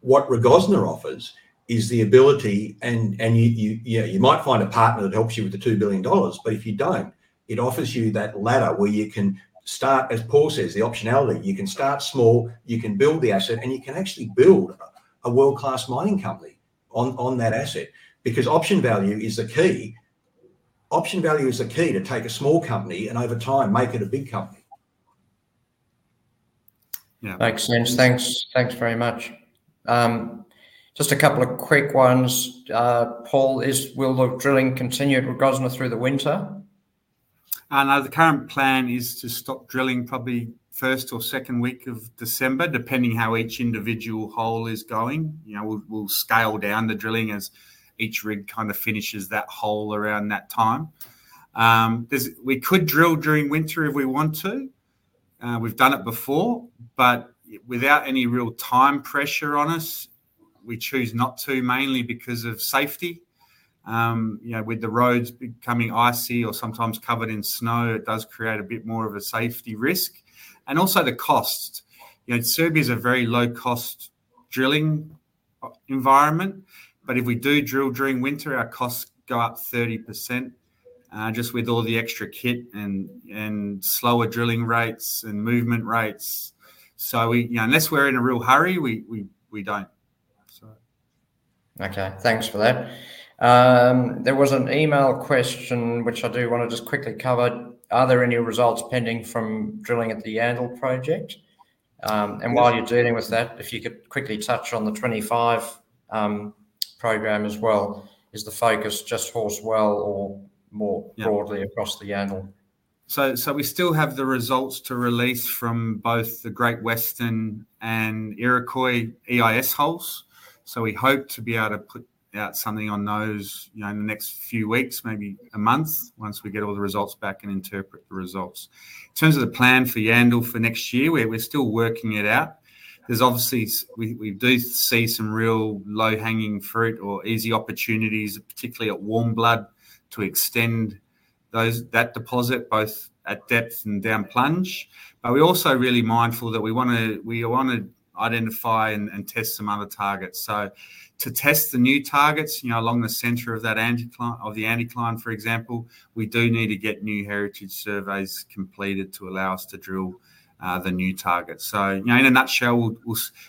What Rogozna offers is the ability, and you might find a partner that helps you with the $2 billion, but if you don't, it offers you that ladder where you can start, as Paul says, the optionality. You can start small, you can build the asset, and you can actually build a world-class mining company on that asset because option value is the key. Option value is the key to take a small company and over time make it a big company. Yeah. Thanks, James. Thanks very much. Just a couple of quick ones. Paul, will the drilling continue at Rogozna through the winter? No, the current plan is to stop drilling probably first or second week of December, depending how each individual hole is going. We'll scale down the drilling as each rig kind of finishes that hole around that time. We could drill during winter if we want to. We've done it before, but without any real time pressure on us, we choose not to mainly because of safety. With the roads becoming icy or sometimes covered in snow, it does create a bit more of a safety risk. And also the cost. Serbia is a very low-cost drilling environment, but if we do drill during winter, our costs go up 30% just with all the extra kit and slower drilling rates and movement rates. So unless we're in a real hurry, we don't. Okay. Thanks for that. There was an email question, which I do want to just quickly cover. Are there any results pending from drilling at the Yandal project? And while you're dealing with that, if you could quickly touch on the 25 program as well. Is the focus just Horse Well or more broadly across the Yandal? So we still have the results to release from both the Great Western and Iroquois EIS holes. So we hope to be able to put out something on those in the next few weeks, maybe a month once we get all the results back and interpret the results. In terms of the plan for Yandal for next year, we're still working it out. We do see some real low-hanging fruit or easy opportunities, particularly at Warmblood, to extend that deposit both at depth and down plunge. But we're also really mindful that we want to identify and test some other targets. So to test the new targets along the center of the anticline, for example, we do need to get new heritage surveys completed to allow us to drill the new targets. So in a nutshell,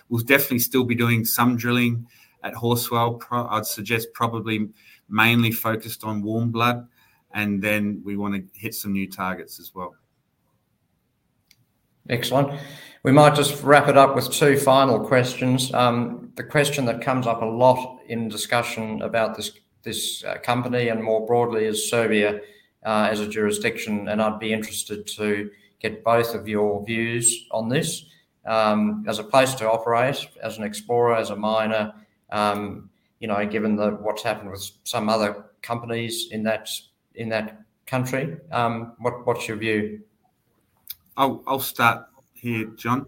we'll definitely still be doing some drilling at Horse Well. I'd suggest probably mainly focused on Warmblood, and then we want to hit some new targets as well. Excellent. We might just wrap it up with two final questions. The question that comes up a lot in discussion about this company and more broadly is Serbia as a jurisdiction. And I'd be interested to get both of your views on this. As a place to operate, as an explorer, as a miner, given what's happened with some other companies in that country, what's your view? I'll start here, Jon.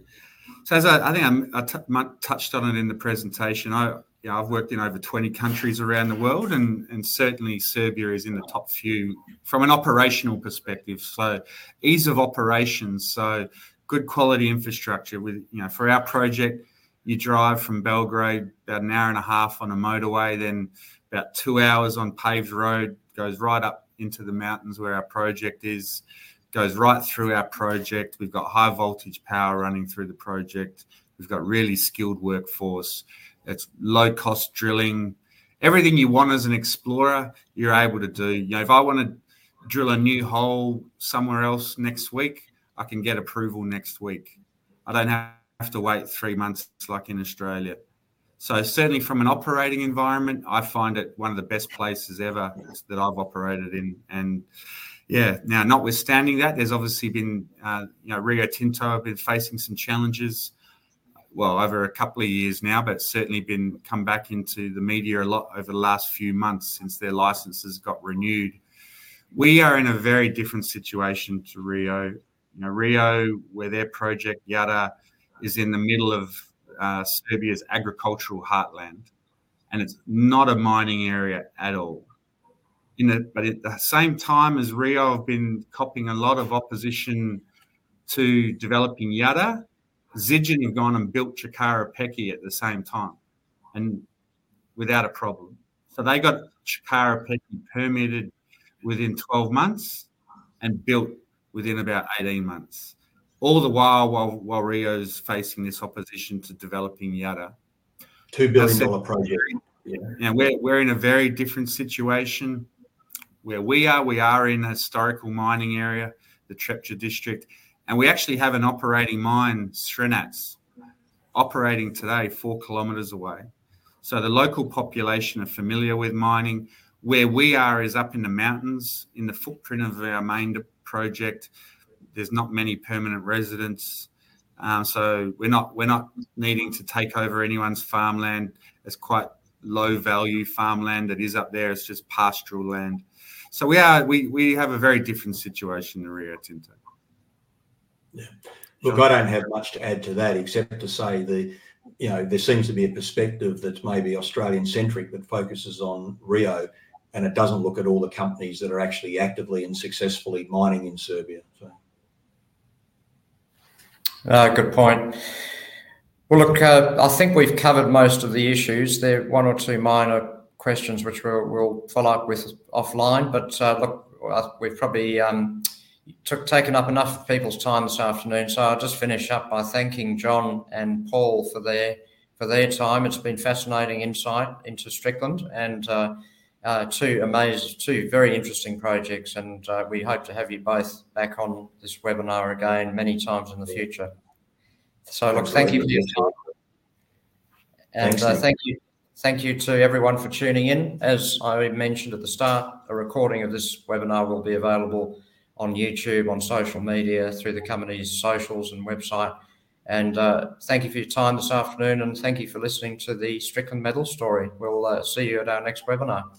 So I think I might have touched on it in the presentation. I've worked in over 20 countries around the world, and certainly, Serbia is in the top few from an operational perspective. So ease of operations, so good quality infrastructure. For our project, you drive from Belgrade about an hour and a half on a motorway, then about two hours on paved road, goes right up into the mountains where our project is, goes right through our project. We've got high-voltage power running through the project. We've got a really skilled workforce. It's low-cost drilling. Everything you want as an explorer, you're able to do. If I want to drill a new hole somewhere else next week, I can get approval next week. I don't have to wait three months like in Australia. Certainly, from an operating environment, I find it one of the best places ever that I've operated in. Yeah, now, notwithstanding that, there's obviously been Rio Tinto has been facing some challenges, well, over a couple of years now, but certainly been coming back into the media a lot over the last few months since their licenses got renewed. We are in a very different situation to Rio. Rio, where their project, Jadar, is in the middle of Serbia's agricultural heartland, and it's not a mining area at all. But at the same time as Rio have been copping a lot of opposition to developing Jadar, Zijin have gone and built Čukaru Peki at the same time and without a problem. So they got Čukaru Peki permitted within 12 months and built within about 18 months. All the while Rio is facing this opposition to developing Jadar. $2 billion project. Yeah. We're in a very different situation where we are. We are in a historical mining area, the Trepča District, and we actually have an operating mine, Crnac, operating today four km away, so the local population are familiar with mining. Where we are is up in the mountains. In the footprint of our main project, there's not many permanent residents, so we're not needing to take over anyone's farmland. It's quite low-value farmland that is up there. It's just pastoral land, so we have a very different situation in Rio Tinto. Yeah. Look, I don't have much to add to that except to say there seems to be a perspective that's maybe Australian-centric that focuses on Rio, and it doesn't look at all the companies that are actually actively and successfully mining in Serbia. Good point. Well, look, I think we've covered most of the issues. There are one or two minor questions which we'll follow up with offline. But look, we've probably taken up enough people's time this afternoon. So I'll just finish up by thanking Jon and Paul for their time. It's been fascinating insight into Strickland Metals and two very interesting projects. And we hope to have you both back on this webinar again many times in the future. So look, thank you for your time. And thank you to everyone for tuning in. As I mentioned at the start, a recording of this webinar will be available on YouTube, on social media, through the company's socials and website. And thank you for your time this afternoon, and thank you for listening to the Strickland Metals story. We'll see you at our next webinar.